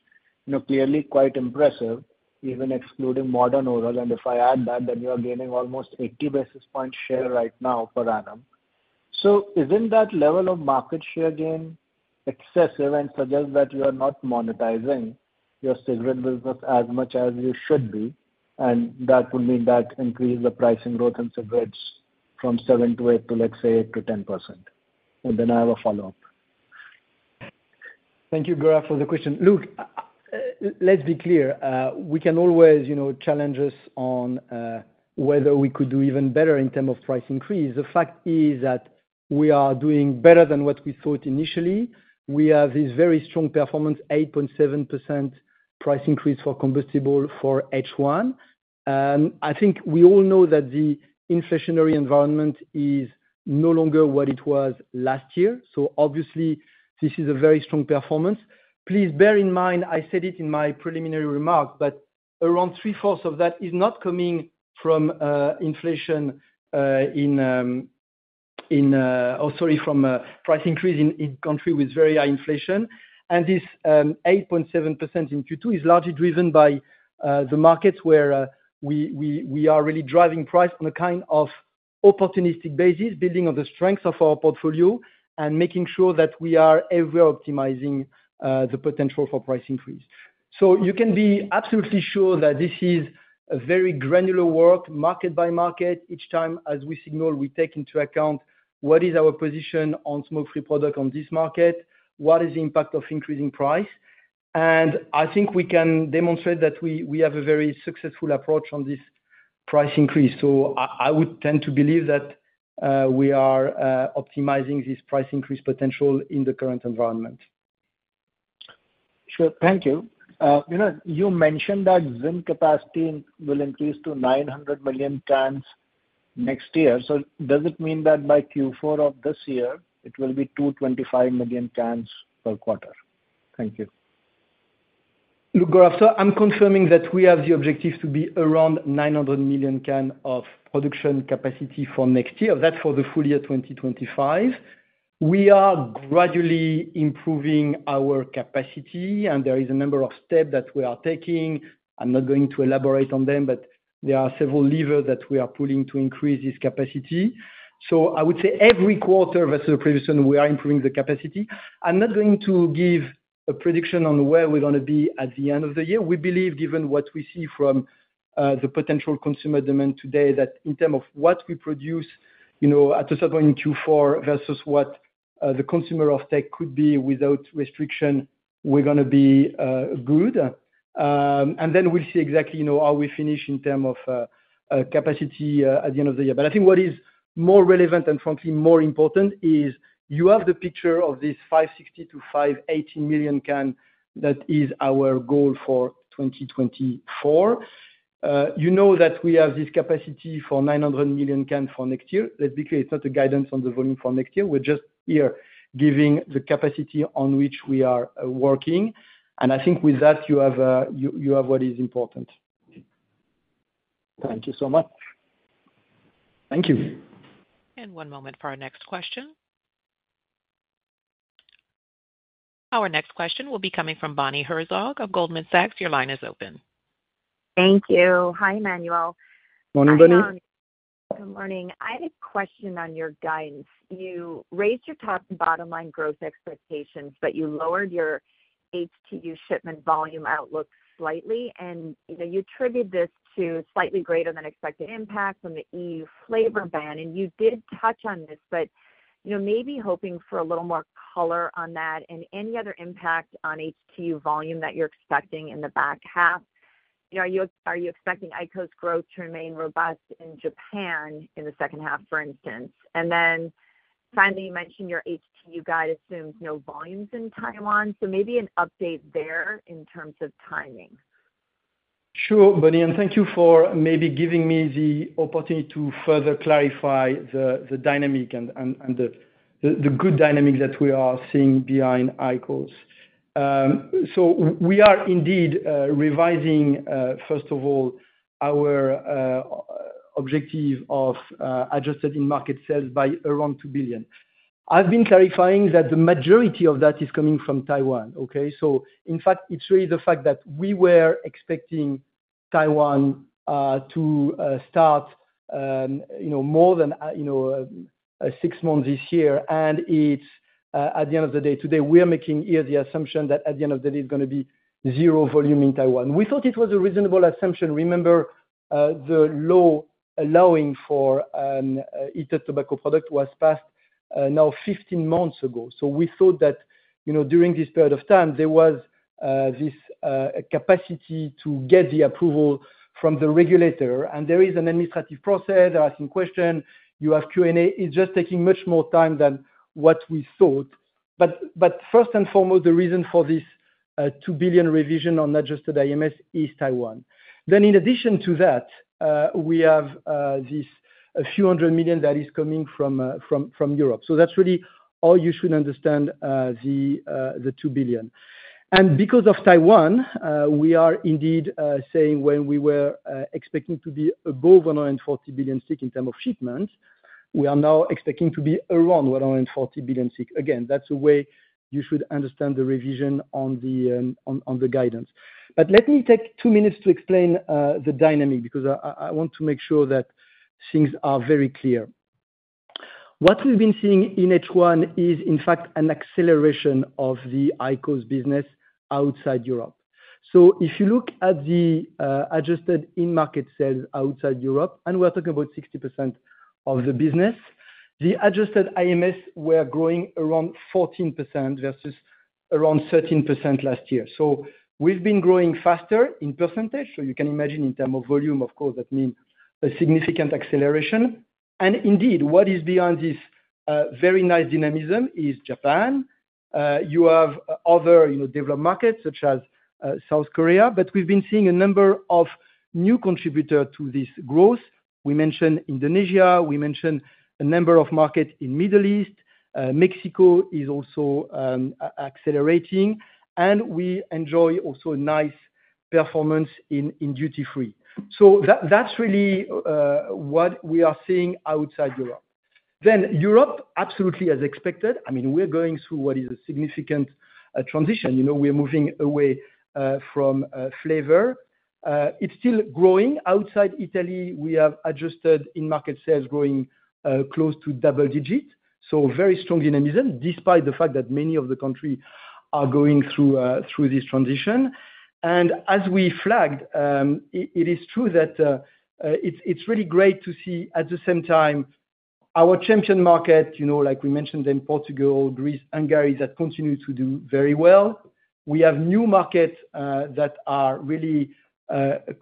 clearly quite impressive, even excluding Marlboro. And if I add that, then you are gaining almost 80 basis points share right now per annum. So isn't that level of market share gain excessive and suggests that you are not monetizing your cigarette business as much as you should be? And that would mean that increase the pricing growth in cigarettes from 7% to 8% to, let's say, 8%-10%. And then I have a follow-up. Thank you, Gaurav, for the question. Look, let's be clear. You can always challenge us on whether we could do even better in terms of price increase. The fact is that we are doing better than what we thought initially. We have this very strong performance, 8.7% price increase for combustible for H1. I think we all know that the inflationary environment is no longer what it was last year. Obviously, this is a very strong performance. Please bear in mind, I said it in my preliminary remarks, but around three-fourths of that is not coming from inflation in, oh, sorry, from price increase in countries with very high inflation. This 8.7% in Q2 is largely driven by the markets where we are really driving price on a kind of opportunistic basis, building on the strengths of our portfolio and making sure that we are ever-optimizing the potential for price increase. You can be absolutely sure that this is very granular work, market by market, each time as we signal, we take into account what is our position on smoke-free product on this market, what is the impact of increasing price. And I think we can demonstrate that we have a very successful approach on this price increase. So I would tend to believe that we are optimizing this price increase potential in the current environment. Sure. Thank you. You mentioned that ZYN capacity will increase to 900 million cans next year. So does it mean that by Q4 of this year, it will be 225 million cans per quarter? Thank you. Look, Gaurav, so I'm confirming that we have the objective to be around 900 million cans of production capacity for next year, that for the full year 2025. We are gradually improving our capacity, and there is a number of steps that we are taking. I'm not going to elaborate on them, but there are several levers that we are pulling to increase this capacity. So I would say every quarter versus the previous one, we are improving the capacity. I'm not going to give a prediction on where we're going to be at the end of the year. We believe, given what we see from the potential consumer demand today, that in terms of what we produce at a certain point in Q4 versus what the consumer uptake could be without restriction, we're going to be good. And then we'll see exactly how we finish in terms of capacity at the end of the year. But I think what is more relevant and, frankly, more important is you have the picture of this 560-580 million cans that is our goal for 2024. You know that we have this capacity for 900 million cans for next year. Let's be clear, it's not a guidance on the volume for next year. We're just here giving the capacity on which we are working. And I think with that, you have what is important. Thank you so much. Thank you. And one moment for our next question. Our next question will be coming from Bonnie Herzog of Goldman Sachs. Your line is open. Thank you. Hi, Emmanuel. Morning, Bonnie. Good morning. I have a question on your guidance. You raised your top and bottom-line growth expectations, but you lowered your H2 shipment volume outlook slightly. And you attribute this to slightly greater than expected impact from the EU flavor ban. And you did touch on this, but maybe hoping for a little more color on that and any other impact on H2 volume that you're expecting in the back half. Are you expecting IQOS growth to remain robust in Japan in the second half, for instance? And then finally, you mentioned your H2 guide assumes no volumes in Taiwan. So maybe an update there in terms of timing. Sure, Bonnie. And thank you for maybe giving me the opportunity to further clarify the dynamic and the good dynamic that we are seeing behind IQOS. So we are indeed revising, first of all, our objective of adjusted in-market sales by around $2 billion. I've been clarifying that the majority of that is coming from Taiwan, okay? So in fact, it's really the fact that we were expecting Taiwan to start more than six months this year. And at the end of the day, today, we are making here the assumption that at the end of the day, it's going to be zero volume in Taiwan. We thought it was a reasonable assumption. Remember, the law allowing for heated tobacco product was passed now 15 months ago. So we thought that during this period of time, there was this capacity to get the approval from the regulator. And there is an administrative process. There are some questions. You have Q&A. It's just taking much more time than what we thought. But first and foremost, the reason for this $2 billion revision on adjusted IMS is Taiwan. Then in addition to that, we have this $few hundred million that is coming from Europe. So that's really all you should understand, the $2 billion. And because of Taiwan, we are indeed saying when we were expecting to be above 140 billion in terms of shipments, we are now expecting to be around 140 billion. Again, that's the way you should understand the revision on the guidance. But let me take two minutes to explain the dynamic because I want to make sure that things are very clear. What we've been seeing in H1 is, in fact, an acceleration of the IQOS business outside Europe. So if you look at the adjusted in-market sales outside Europe, and we're talking about 60% of the business, the adjusted IMS were growing around 14% versus around 13% last year. So we've been growing faster in percentage. So you can imagine in terms of volume, of course, that means a significant acceleration. And indeed, what is behind this very nice dynamism is Japan. You have other developed markets such as South Korea. But we've been seeing a number of new contributors to this growth. We mentioned Indonesia. We mentioned a number of markets in the Middle East. Mexico is also accelerating. And we enjoy also a nice performance in duty-free. So that's really what we are seeing outside Europe. Then Europe, absolutely as expected. I mean, we're going through what is a significant transition. We're moving away from flavor. It's still growing. Outside Italy, we have adjusted in-market sales growing close to double digits. So very strong dynamism despite the fact that many of the countries are going through this transition. And as we flagged, it is true that it's really great to see at the same time our champion market, like we mentioned them, Portugal, Greece, Hungary, that continue to do very well. We have new markets that are really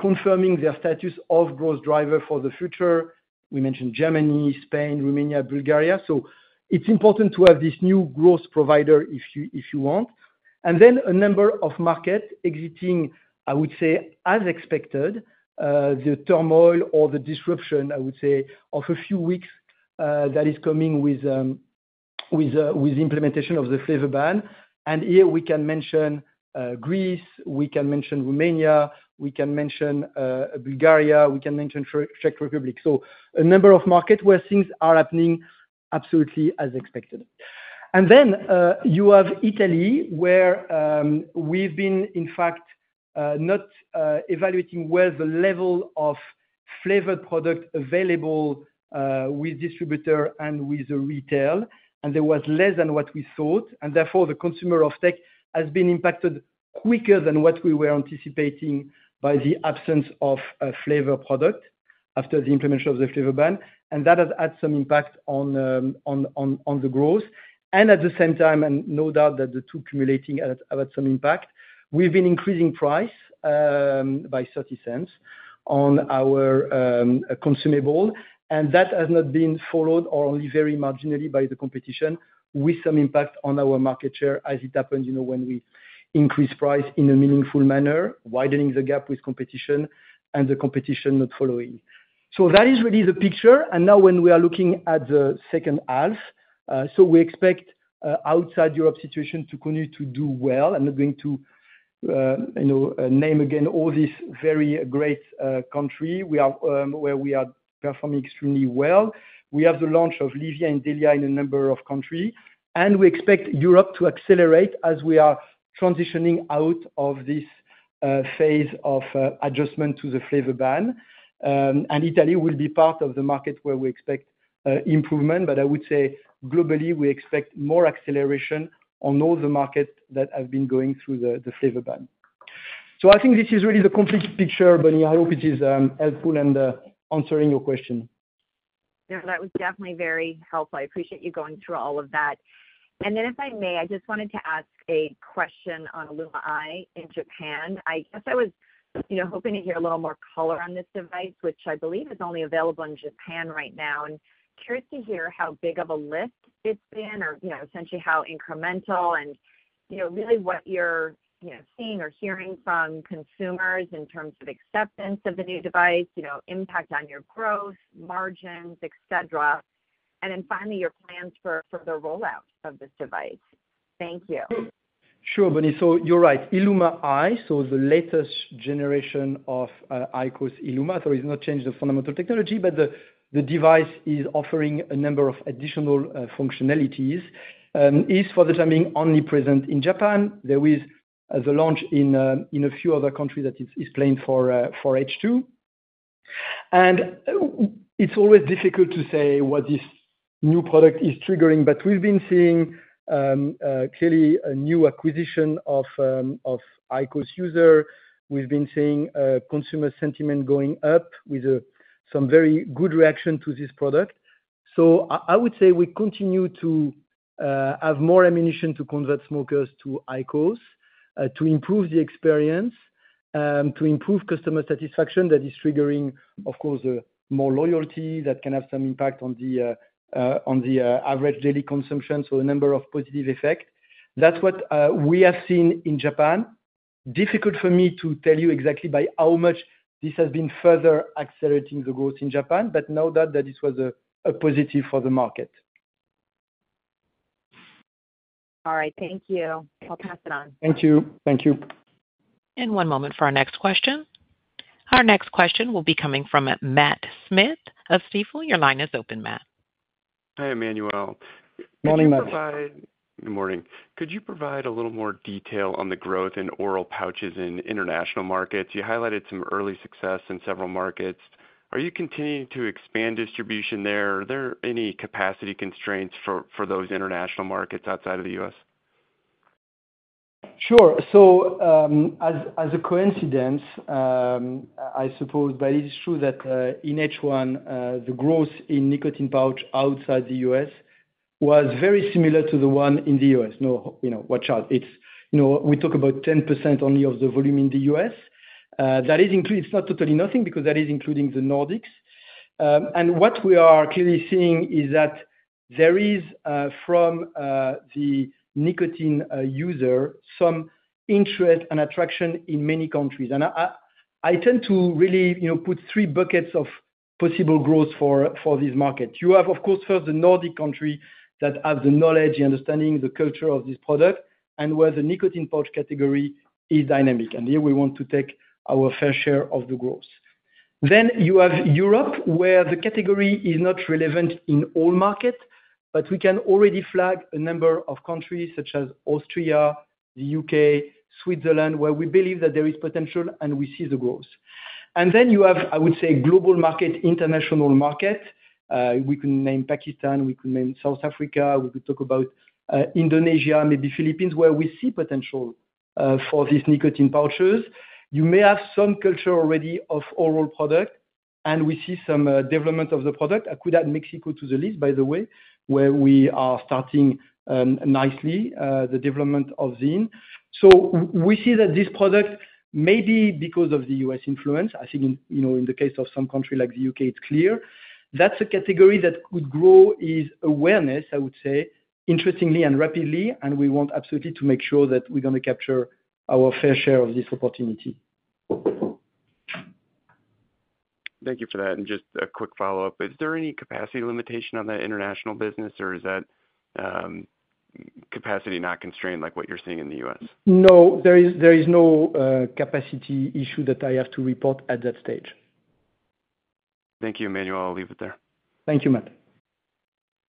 confirming their status of growth driver for the future. We mentioned Germany, Spain, Romania, Bulgaria. So it's important to have this new growth provider if you want. And then a number of markets exiting, I would say, as expected, the turmoil or the disruption, I would say, of a few weeks that is coming with the implementation of the flavor ban. Here we can mention Greece. We can mention Romania. We can mention Bulgaria. We can mention Czech Republic. So a number of markets where things are happening absolutely as expected. Then you have Italy where we've been, in fact, not evaluating well the level of flavored product available with distributors and with retail. And there was less than what we thought. And therefore, the consumer uptake has been impacted quicker than what we were anticipating by the absence of flavor product after the implementation of the flavor ban. And that has had some impact on the growth. And at the same time, and no doubt that the two accumulating have had some impact. We've been increasing price by 0.30 on our consumables. And that has not been followed or only very marginally by the competition with some impact on our market share as it happened when we increased price in a meaningful manner, widening the gap with competition and the competition not following. So that is really the picture. And now when we are looking at the second half, so we expect outside Europe situation to continue to do well. I'm not going to name again all these very great countries where we are performing extremely well. We have the launch of LEVIA and DELIA in a number of countries. And we expect Europe to accelerate as we are transitioning out of this phase of adjustment to the flavor ban. And Italy will be part of the market where we expect improvement. But I would say globally, we expect more acceleration on all the markets that have been going through the flavor ban. So I think this is really the complete picture, Bonnie. I hope it is helpful and answering your question. Yeah, that was definitely very helpful. I appreciate you going through all of that. And then if I may, I just wanted to ask a question on IQOS ILUMA i in Japan. I guess I was hoping to hear a little more color on this device, which I believe is only available in Japan right now. And curious to hear how big of a lift it's been or essentially how incremental and really what you're seeing or hearing from consumers in terms of acceptance of the new device, impact on your growth, margins, etc. And then finally, your plans for the rollout of this device. Thank you. Sure, Bonnie. So you're right. IQOS ILUMA i, so the latest generation of IQOS ILUMA, so it's not changed the fundamental technology, but the device is offering a number of additional functionalities. It's for the time being only present in Japan. There is the launch in a few other countries that is planned for H2. And it's always difficult to say what this new product is triggering, but we've been seeing clearly a new acquisition of IQOS users. We've been seeing consumer sentiment going up with some very good reaction to this product. So I would say we continue to have more ammunition to convert smokers to IQOS, to improve the experience, to improve customer satisfaction that is triggering, of course, more loyalty that can have some impact on the average daily consumption, so a number of positive effects. That's what we have seen in Japan. Difficult for me to tell you exactly by how much this has been further accelerating the growth in Japan, but no doubt that this was a positive for the market. All right. Thank you. I'll pass it on. Thank you. Thank you. One moment for our next question. Our next question will be coming from Matt Smith of Stifel. Your line is open, Matt. Hi, Emmanuel. Morning, Matt. Good morning. Could you provide a little more detail on the growth in oral pouches in international markets? You highlighted some early success in several markets. Are you continuing to expand distribution there? Are there any capacity constraints for those international markets outside of the U.S.? Sure. As a coincidence, I suppose that it is true that in H1, the growth in nicotine pouch outside the U.S. was very similar to the one in the U.S. No, watch out. We talk about 10% only of the volume in the U.S.. That is included; it's not totally nothing because that is including the Nordics. What we are clearly seeing is that there is, from the nicotine user, some interest and attraction in many countries. I tend to really put three buckets of possible growth for this market. You have, of course, first the Nordic country that has the knowledge, the understanding, the culture of this product, and where the nicotine pouch category is dynamic. Here we want to take our fair share of the growth. Then you have Europe where the category is not relevant in all markets, but we can already flag a number of countries such as Austria, the UK, Switzerland, where we believe that there is potential and we see the growth. Then you have, I would say, global market, international market. We can name Pakistan, we can name South Africa, we could talk about Indonesia, maybe Philippines, where we see potential for these nicotine pouches. You may have some culture already of oral product, and we see some development of the product. I could add Mexico to the list, by the way, where we are starting nicely the development of ZYN. So we see that this product, maybe because of the U.S. influence, I think in the case of some countries like the U.K., it's clear. That's a category that could grow is awareness, I would say, interestingly and rapidly, and we want absolutely to make sure that we're going to capture our fair share of this opportunity. Thank you for that. And just a quick follow-up. Is there any capacity limitation on that international business, or is that capacity not constrained like what you're seeing in the U.S.? No, there is no capacity issue that I have to report at that stage. Thank you, Emmanuel. I'll leave it there. Thank you, Matt.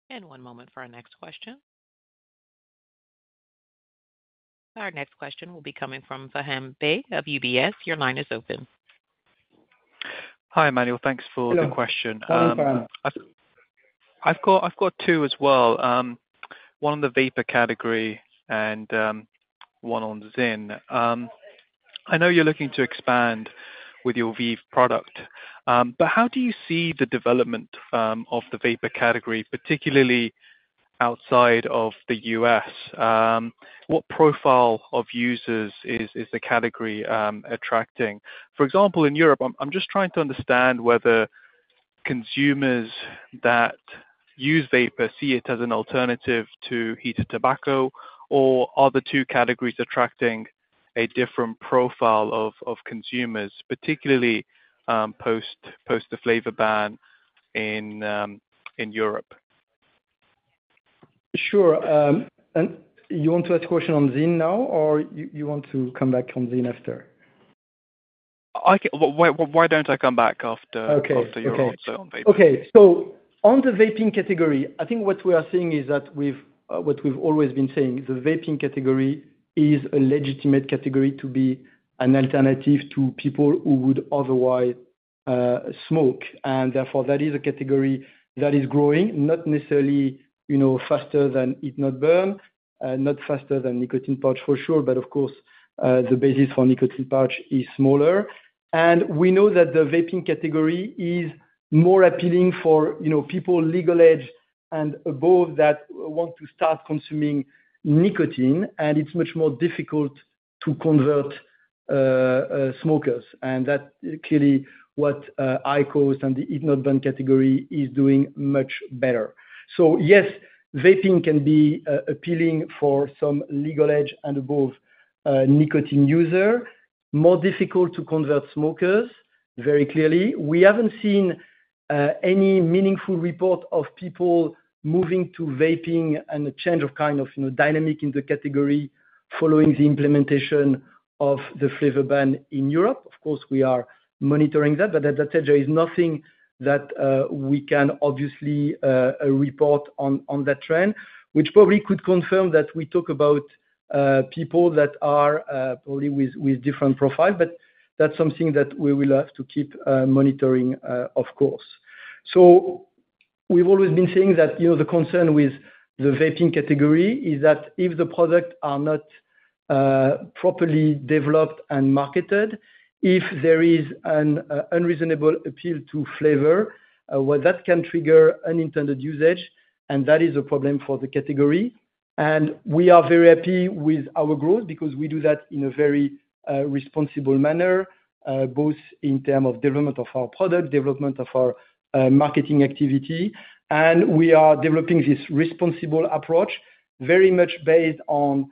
And one moment for our next question. Our next question will be coming from Faham Baig of UBS. Your line is open. Hi, Emmanuel. Thanks for the question. I've got two as well. One on the vapor category and one on ZYN. I know you're looking to expand with your VEEV product, but how do you see the development of the vapor category, particularly outside of the U.S.? What profile of users is the category attracting? For example, in Europe, I'm just trying to understand whether consumers that use vapor see it as an alternative to heated tobacco, or are the two categories attracting a different profile of consumers, particularly post the flavor ban in Europe? Sure. And you want to ask a question on ZYN now, or you want to come back on ZYN after? Why don't I come back after your answer on vaping? Okay. Okay. So on the vaping category, I think what we are seeing is that what we've always been saying, the vaping category is a legitimate category to be an alternative to people who would otherwise smoke. And therefore, that is a category that is growing, not necessarily faster than heat-not-burn, not faster than nicotine pouch for sure, but of course, the basis for nicotine pouch is smaller. And we know that the vaping category is more appealing for people, legal age and above, that want to start consuming nicotine, and it's much more difficult to convert smokers. And that's clearly what IQOS and the heat-not-burn category is doing much better. So yes, vaping can be appealing for some legal age and above nicotine users. More difficult to convert smokers, very clearly. We haven't seen any meaningful report of people moving to vaping and a change of kind of dynamic in the category following the implementation of the flavor ban in Europe. Of course, we are monitoring that, but at that stage, there is nothing that we can obviously report on that trend, which probably could confirm that we talk about people that are probably with different profiles, but that's something that we will have to keep monitoring, of course. So we've always been saying that the concern with the vaping category is that if the products are not properly developed and marketed, if there is an unreasonable appeal to flavor, that can trigger unintended usage, and that is a problem for the category. And we are very happy with our growth because we do that in a very responsible manner, both in terms of development of our product, development of our marketing activity. And we are developing this responsible approach very much based on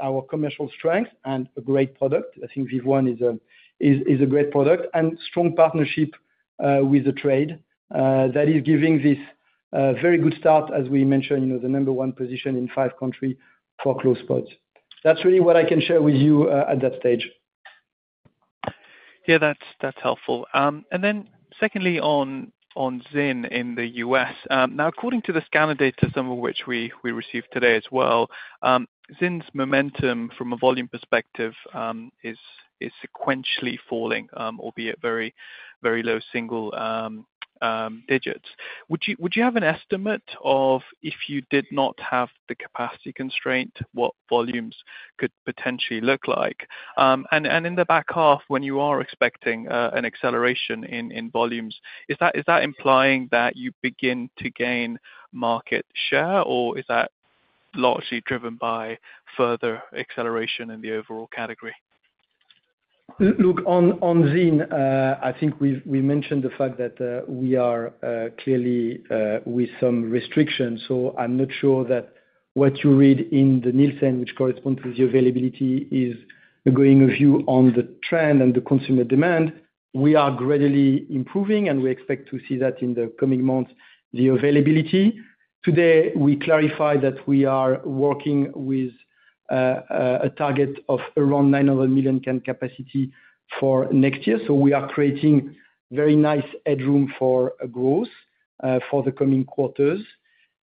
our commercial strength and a great product. I think VEEV ONE is a great product and strong partnership with the trade that is giving this very good start, as we mentioned, the number one position in five countries for closed pods. That's really what I can share with you at that stage. Yeah, that's helpful. And then secondly, on ZYN in the U.S., now, according to the scanner data, some of which we received today as well, ZYN's momentum from a volume perspective is sequentially falling, albeit very low single digits. Would you have an estimate of if you did not have the capacity constraint, what volumes could potentially look like? And in the back half, when you are expecting an acceleration in volumes, is that implying that you begin to gain market share, or is that largely driven by further acceleration in the overall category? Look, on ZYN, I think we mentioned the fact that we are clearly with some restrictions. So I'm not sure that what you read in the Nielsen, which corresponds with the availability, is giving a view on the trend and the consumer demand. We are gradually improving, and we expect to see that in the coming months, the availability. Today, we clarified that we are working with a target of around 900 million can capacity for next year. So we are creating very nice headroom for growth for the coming quarters,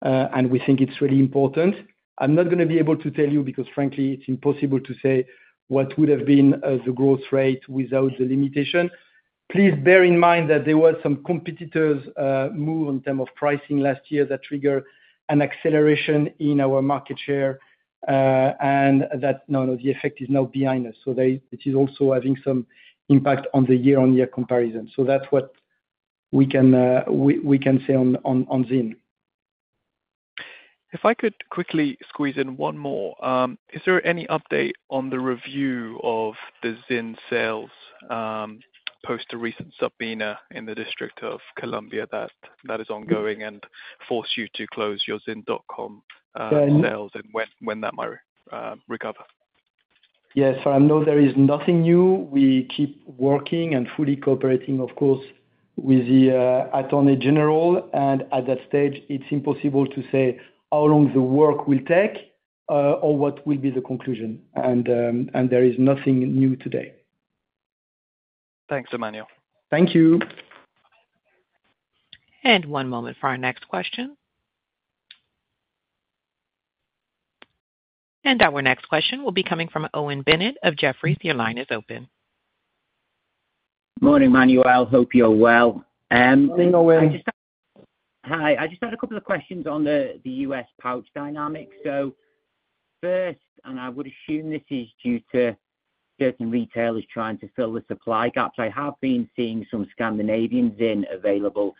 and we think it's really important. I'm not going to be able to tell you because, frankly, it's impossible to say what would have been the growth rate without the limitation. Please bear in mind that there were some competitors' moves in terms of pricing last year that triggered an acceleration in our market share, and that none of the effect is now behind us. So it is also having some impact on the year-on-year comparison. So that's what we can say on ZYN. If I could quickly squeeze in one more, is there any update on the review of the ZYN sales post the recent subpoena in the District of Columbia that is ongoing and forced you to close your zyn.com sales and when that might recover? Yes. I know there is nothing new. We keep working and fully cooperating, of course, with the attorney general. At that stage, it's impossible to say how long the work will take or what will be the conclusion. There is nothing new today. Thanks, Emmanuel. Thank you. One moment for our next question. Our next question will be coming from Owen Bennett of Jefferies. Your line is open. Morning, Emmanuel. I hope you're well. Morning, Owen. Hi. I just had a couple of questions on the U.S. pouch dynamic. First, and I would assume this is due to certain retailers trying to fill the supply gaps. I have been seeing some Scandinavian ZYN available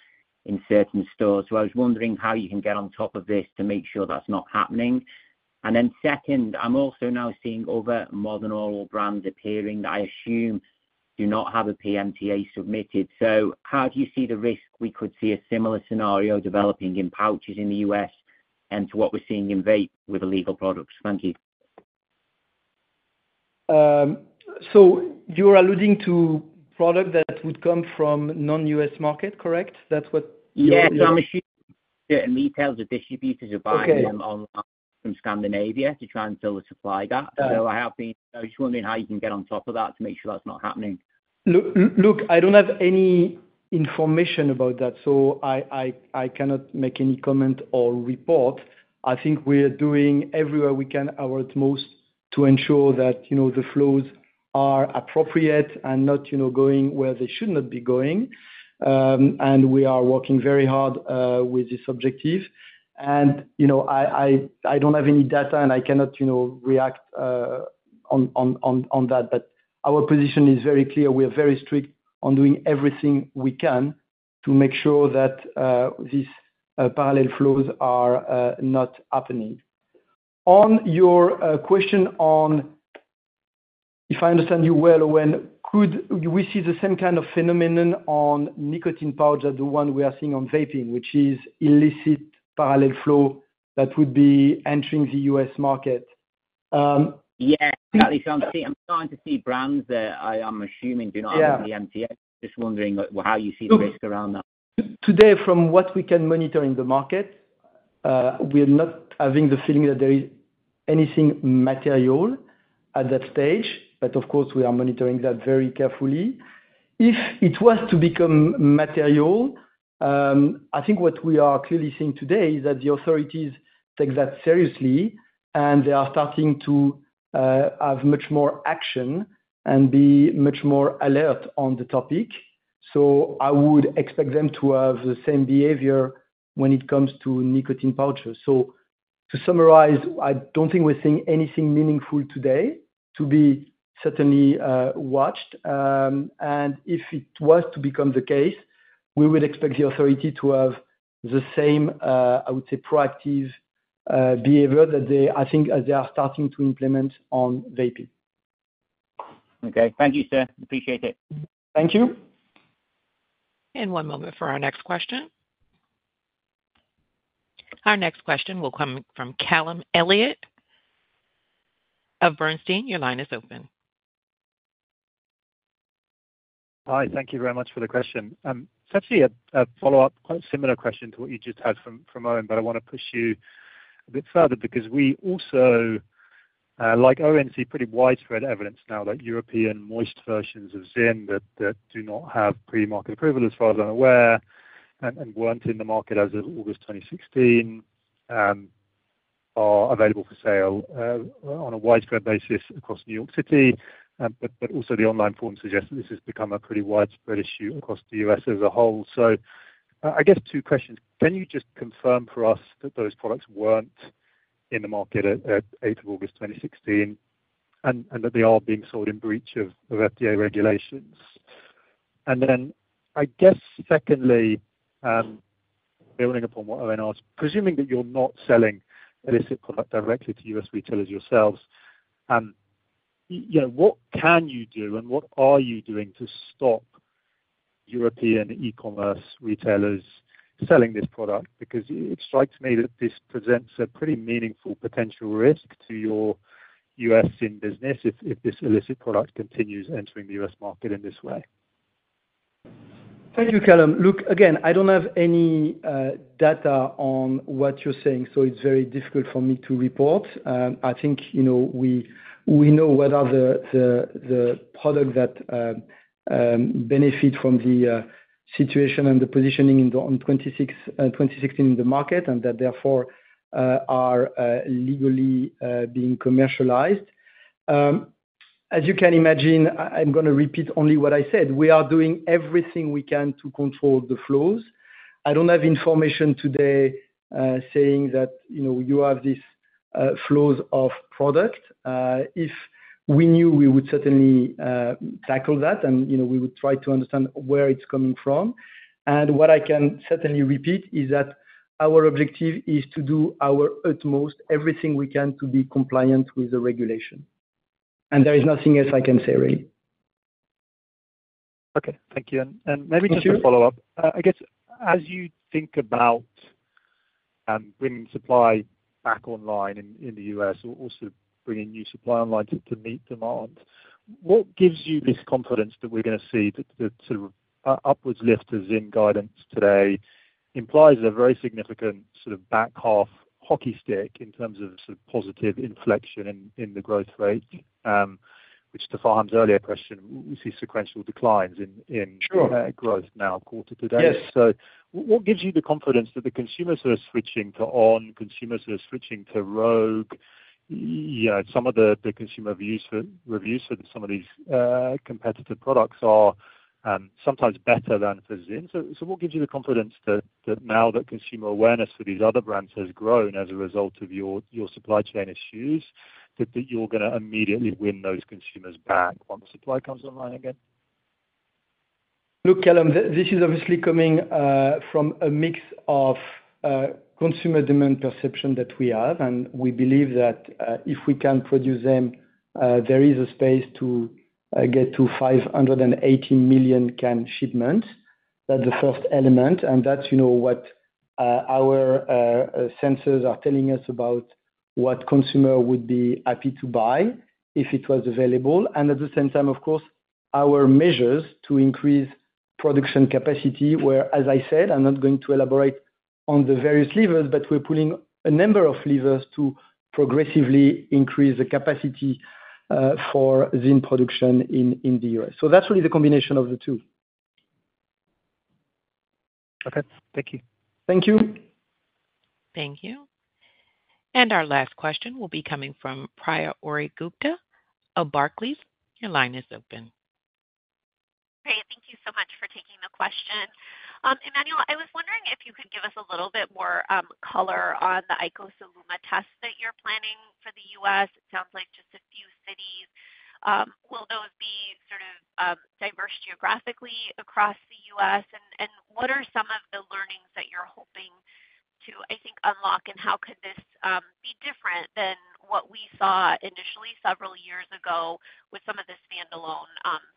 in certain stores. So I was wondering how you can get on top of this to make sure that's not happening. And then second, I'm also now seeing other modern oral brands appearing that I assume do not have a PMTA submitted. So how do you see the risk we could see a similar scenario developing in pouches in the U.S. and to what we're seeing in vape with illegal products? Thank you. So you're alluding to product that would come from non-U.S. market, correct? That's what you're saying? Yeah. Certain retailers or distributors are buying them online from Scandinavia to try and fill the supply gap. So I was just wondering how you can get on top of that to make sure that's not happening. Look, I don't have any information about that, so I cannot make any comment or report. I think we are doing everywhere we can our utmost to ensure that the flows are appropriate and not going where they should not be going. And we are working very hard with this objective. And I don't have any data, and I cannot react on that. But our position is very clear. We are very strict on doing everything we can to make sure that these parallel flows are not happening. On your question on, if I understand you well, Owen, could we see the same kind of phenomenon on nicotine pouch as the one we are seeing on vaping, which is illicit parallel flow that would be entering the U.S. market? Yeah. I'm trying to see brands that I'm assuming do not have a PMTA. Just wondering how you see the risk around that. Today, from what we can monitor in the market, we are not having the feeling that there is anything material at that stage. But of course, we are monitoring that very carefully. If it was to become material, I think what we are clearly seeing today is that the authorities take that seriously, and they are starting to have much more action and be much more alert on the topic. So I would expect them to have the same behavior when it comes to nicotine pouches. So to summarize, I don't think we're seeing anything meaningful today to be certainly watched. And if it was to become the case, we would expect the authority to have the same, I would say, proactive behavior that I think they are starting to implement on vaping. Okay. Thank you, sir. Appreciate it. Thank you. And one moment for our next question. Our next question will come from Callum Elliott of Bernstein. Your line is open. Hi. Thank you very much for the question. It's actually a follow-up, quite a similar question to what you just had from Owen, but I want to push you a bit further because we also, like Owen, see pretty widespread evidence now that European moist versions of ZYN that do not have pre-market approval, as far as I'm aware, and weren't in the market as of August 2016, are available for sale on a widespread basis across New York City. But also the online forum suggests that this has become a pretty widespread issue across the U.S. as a whole. So I guess two questions. Can you just confirm for us that those products weren't in the market at 8th of August 2016, and that they are being sold in breach of FDA regulations? And then I guess secondly, building upon what Owen asked, presuming that you're not selling illicit product directly to U.S. retailers yourselves, what can you do, and what are you doing to stop European e-commerce retailers selling this product? Because it strikes me that this presents a pretty meaningful potential risk to your U.S. ZYN business if this illicit product continues entering the U.S. market in this way. Thank you, Callum. Look, again, I don't have any data on what you're saying, so it's very difficult for me to report. I think we know whether the product that benefits from the situation and the positioning in 2016 in the market, and that therefore are legally being commercialized. As you can imagine, I'm going to repeat only what I said. We are doing everything we can to control the flows. I don't have information today saying that you have these flows of product. If we knew, we would certainly tackle that, and we would try to understand where it's coming from. What I can certainly repeat is that our objective is to do our utmost, everything we can to be compliant with the regulation. There is nothing else I can say, really. Okay. Thank you. And maybe just a follow-up. I guess as you think about bringing supply back online in the U.S., or also bringing new supply online to meet demand, what gives you this confidence that we're going to see that the sort of upward lift of ZYN guidance today implies a very significant sort of back half hockey stick in terms of positive inflection in the growth rate, which to Faham's earlier question, we see sequential declines in growth now quarter to day. So what gives you the confidence that the consumers who are switching to on!, consumers who are switching to Rogue, some of the consumer reviews for some of these competitor products are sometimes better than for ZYN? So what gives you the confidence that now that consumer awareness for these other brands has grown as a result of your supply chain issues, that you're going to immediately win those consumers back once supply comes online again? Look, Callum, this is obviously coming from a mix of consumer demand perception that we have. And we believe that if we can produce them, there is a space to get to 580 million can shipments. That's the first element. And that's what our sensors are telling us about what consumers would be happy to buy if it was available. And at the same time, of course, our measures to increase production capacity, where, as I said, I'm not going to elaborate on the various levers, but we're pulling a number of levers to progressively increase the capacity for ZYN production in the U.S.. So that's really the combination of the two. Okay. Thank you. Thank you. Thank you. And our last question will be coming from Priya Ohri-Gupta of Barclays. Your line is open. Great. Thank you so much for taking the question. Emmanuel, I was wondering if you could give us a little bit more color on the IQOS ILUMA test that you're planning for the U.S.. It sounds like just a few cities. Will those be sort of diverse geographically across the U.S.? And what are some of the learnings that you're hoping to, I think, unlock? How could this be different than what we saw initially several years ago with some of the standalone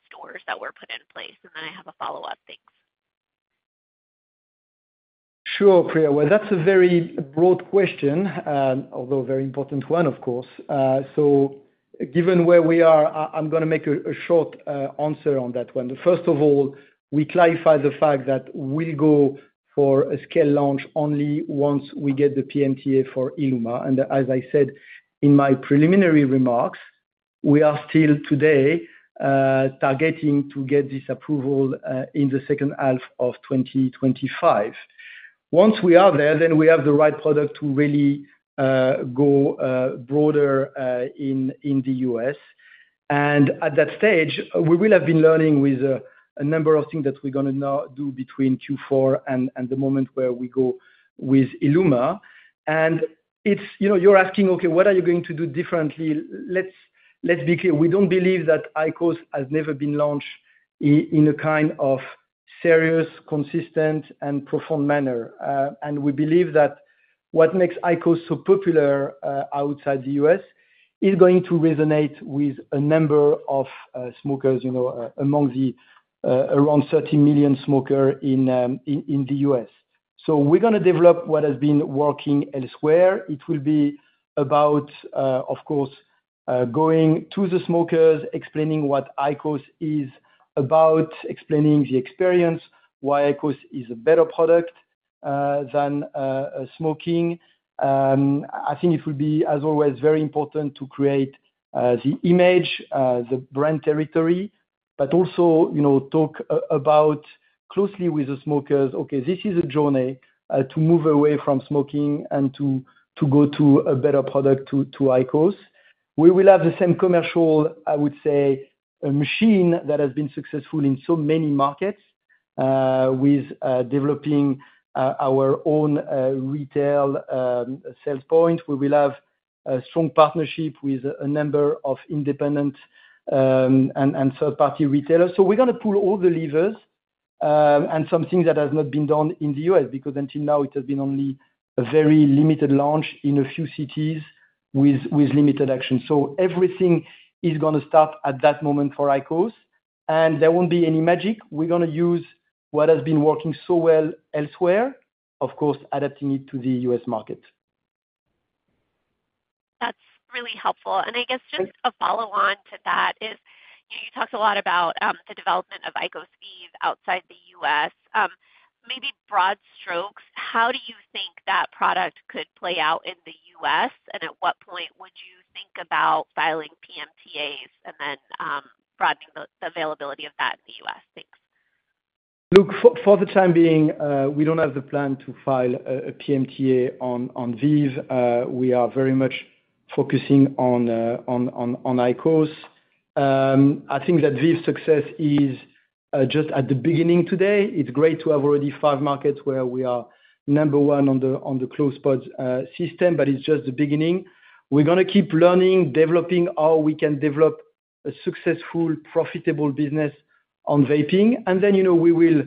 stores that were put in place? Then I have a follow-up. Thanks. Sure, Priya. Well, that's a very broad question, although a very important one, of course. Given where we are, I'm going to make a short answer on that one. First of all, we clarify the fact that we'll go for a scale launch only once we get the PMTA for ILUMA. As I said in my preliminary remarks, we are still today targeting to get this approval in the second half of 2025. Once we are there, then we have the right product to really go broader in the U.S. And at that stage, we will have been learning with a number of things that we're going to do between Q4 and the moment where we go with IQOS ILUMA. And you're asking, "Okay, what are you going to do differently?" Let's be clear. We don't believe that IQOS has never been launched in a kind of serious, consistent, and profound manner. And we believe that what makes IQOS so popular outside the U.S. is going to resonate with a number of smokers among the around 30 million smokers in the U.S. So we're going to develop what has been working elsewhere. It will be about, of course, going to the smokers, explaining what IQOS is about, explaining the experience, why IQOS is a better product than smoking. I think it will be, as always, very important to create the image, the brand territory, but also talk closely with the smokers, "Okay, this is a journey to move away from smoking and to go to a better product to IQOS." We will have the same commercial, I would say, machine that has been successful in so many markets with developing our own retail sales point. We will have a strong partnership with a number of independent and third-party retailers. So we're going to pull all the levers and some things that have not been done in the U.S. because until now, it has been only a very limited launch in a few cities with limited action. So everything is going to start at that moment for IQOS. There won't be any magic. We're going to use what has been working so well elsewhere, of course, adapting it to the U.S. market. That's really helpful. And I guess just a follow-on to that is you talked a lot about the development of IQOS VEEV outside the U.S. Maybe broad strokes, how do you think that product could play out in the U.S.? And at what point would you think about filing PMTAs and then broadening the availability of that in the U.S.? Thanks. Look, for the time being, we don't have the plan to file a PMTA on VEEV. We are very much focusing on IQOS. I think that VEEV's success is just at the beginning today. It's great to have already 5 markets where we are number one on the closed-pod system, but it's just the beginning. We're going to keep learning, developing how we can develop a successful, profitable business on vaping. And then we will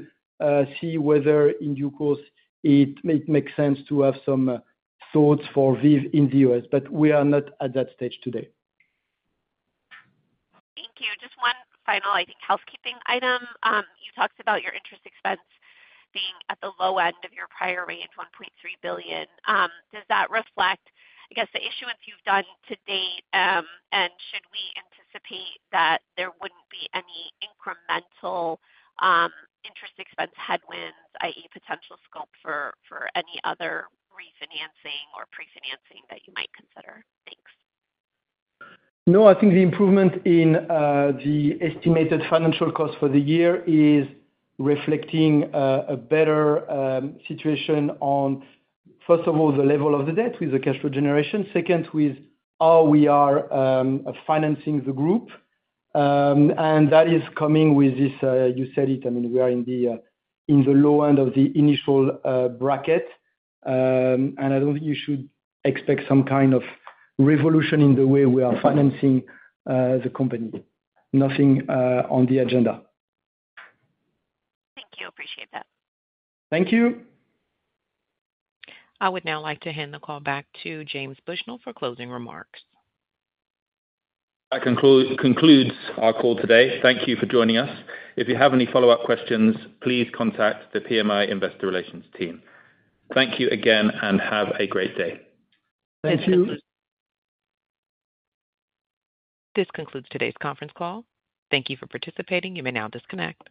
see whether in due course it makes sense to have some thoughts for VEEV in the U.S. But we are not at that stage today. Thank you. Just one final, I think, housekeeping item. You talked about your interest expense being at the low end of your prior range, $1.3 billion. Does that reflect, I guess, the issuance you've done to date? And should we anticipate that there wouldn't be any incremental interest expense headwinds, i.e., potential scope for any other refinancing or prefinancing that you might consider? Thanks. No, I think the improvement in the estimated financial cost for the year is reflecting a better situation on, first of all, the level of the debt with the cash flow generation. Second, with how we are financing the group. And that is coming with this, you said it. I mean, we are in the low end of the initial bracket. And I don't think you should expect some kind of revolution in the way we are financing the company. Nothing on the agenda. Thank you. Appreciate that. Thank you. I would now like to hand the call back to James Bushnell for closing remarks. That concludes our call today. Thank you for joining us. If you have any follow-up questions, please contact the PMI Investor Relations team. Thank you again, and have a great day. Thank you. This concludes today's conference call. Thank you for participating. You may now disconnect.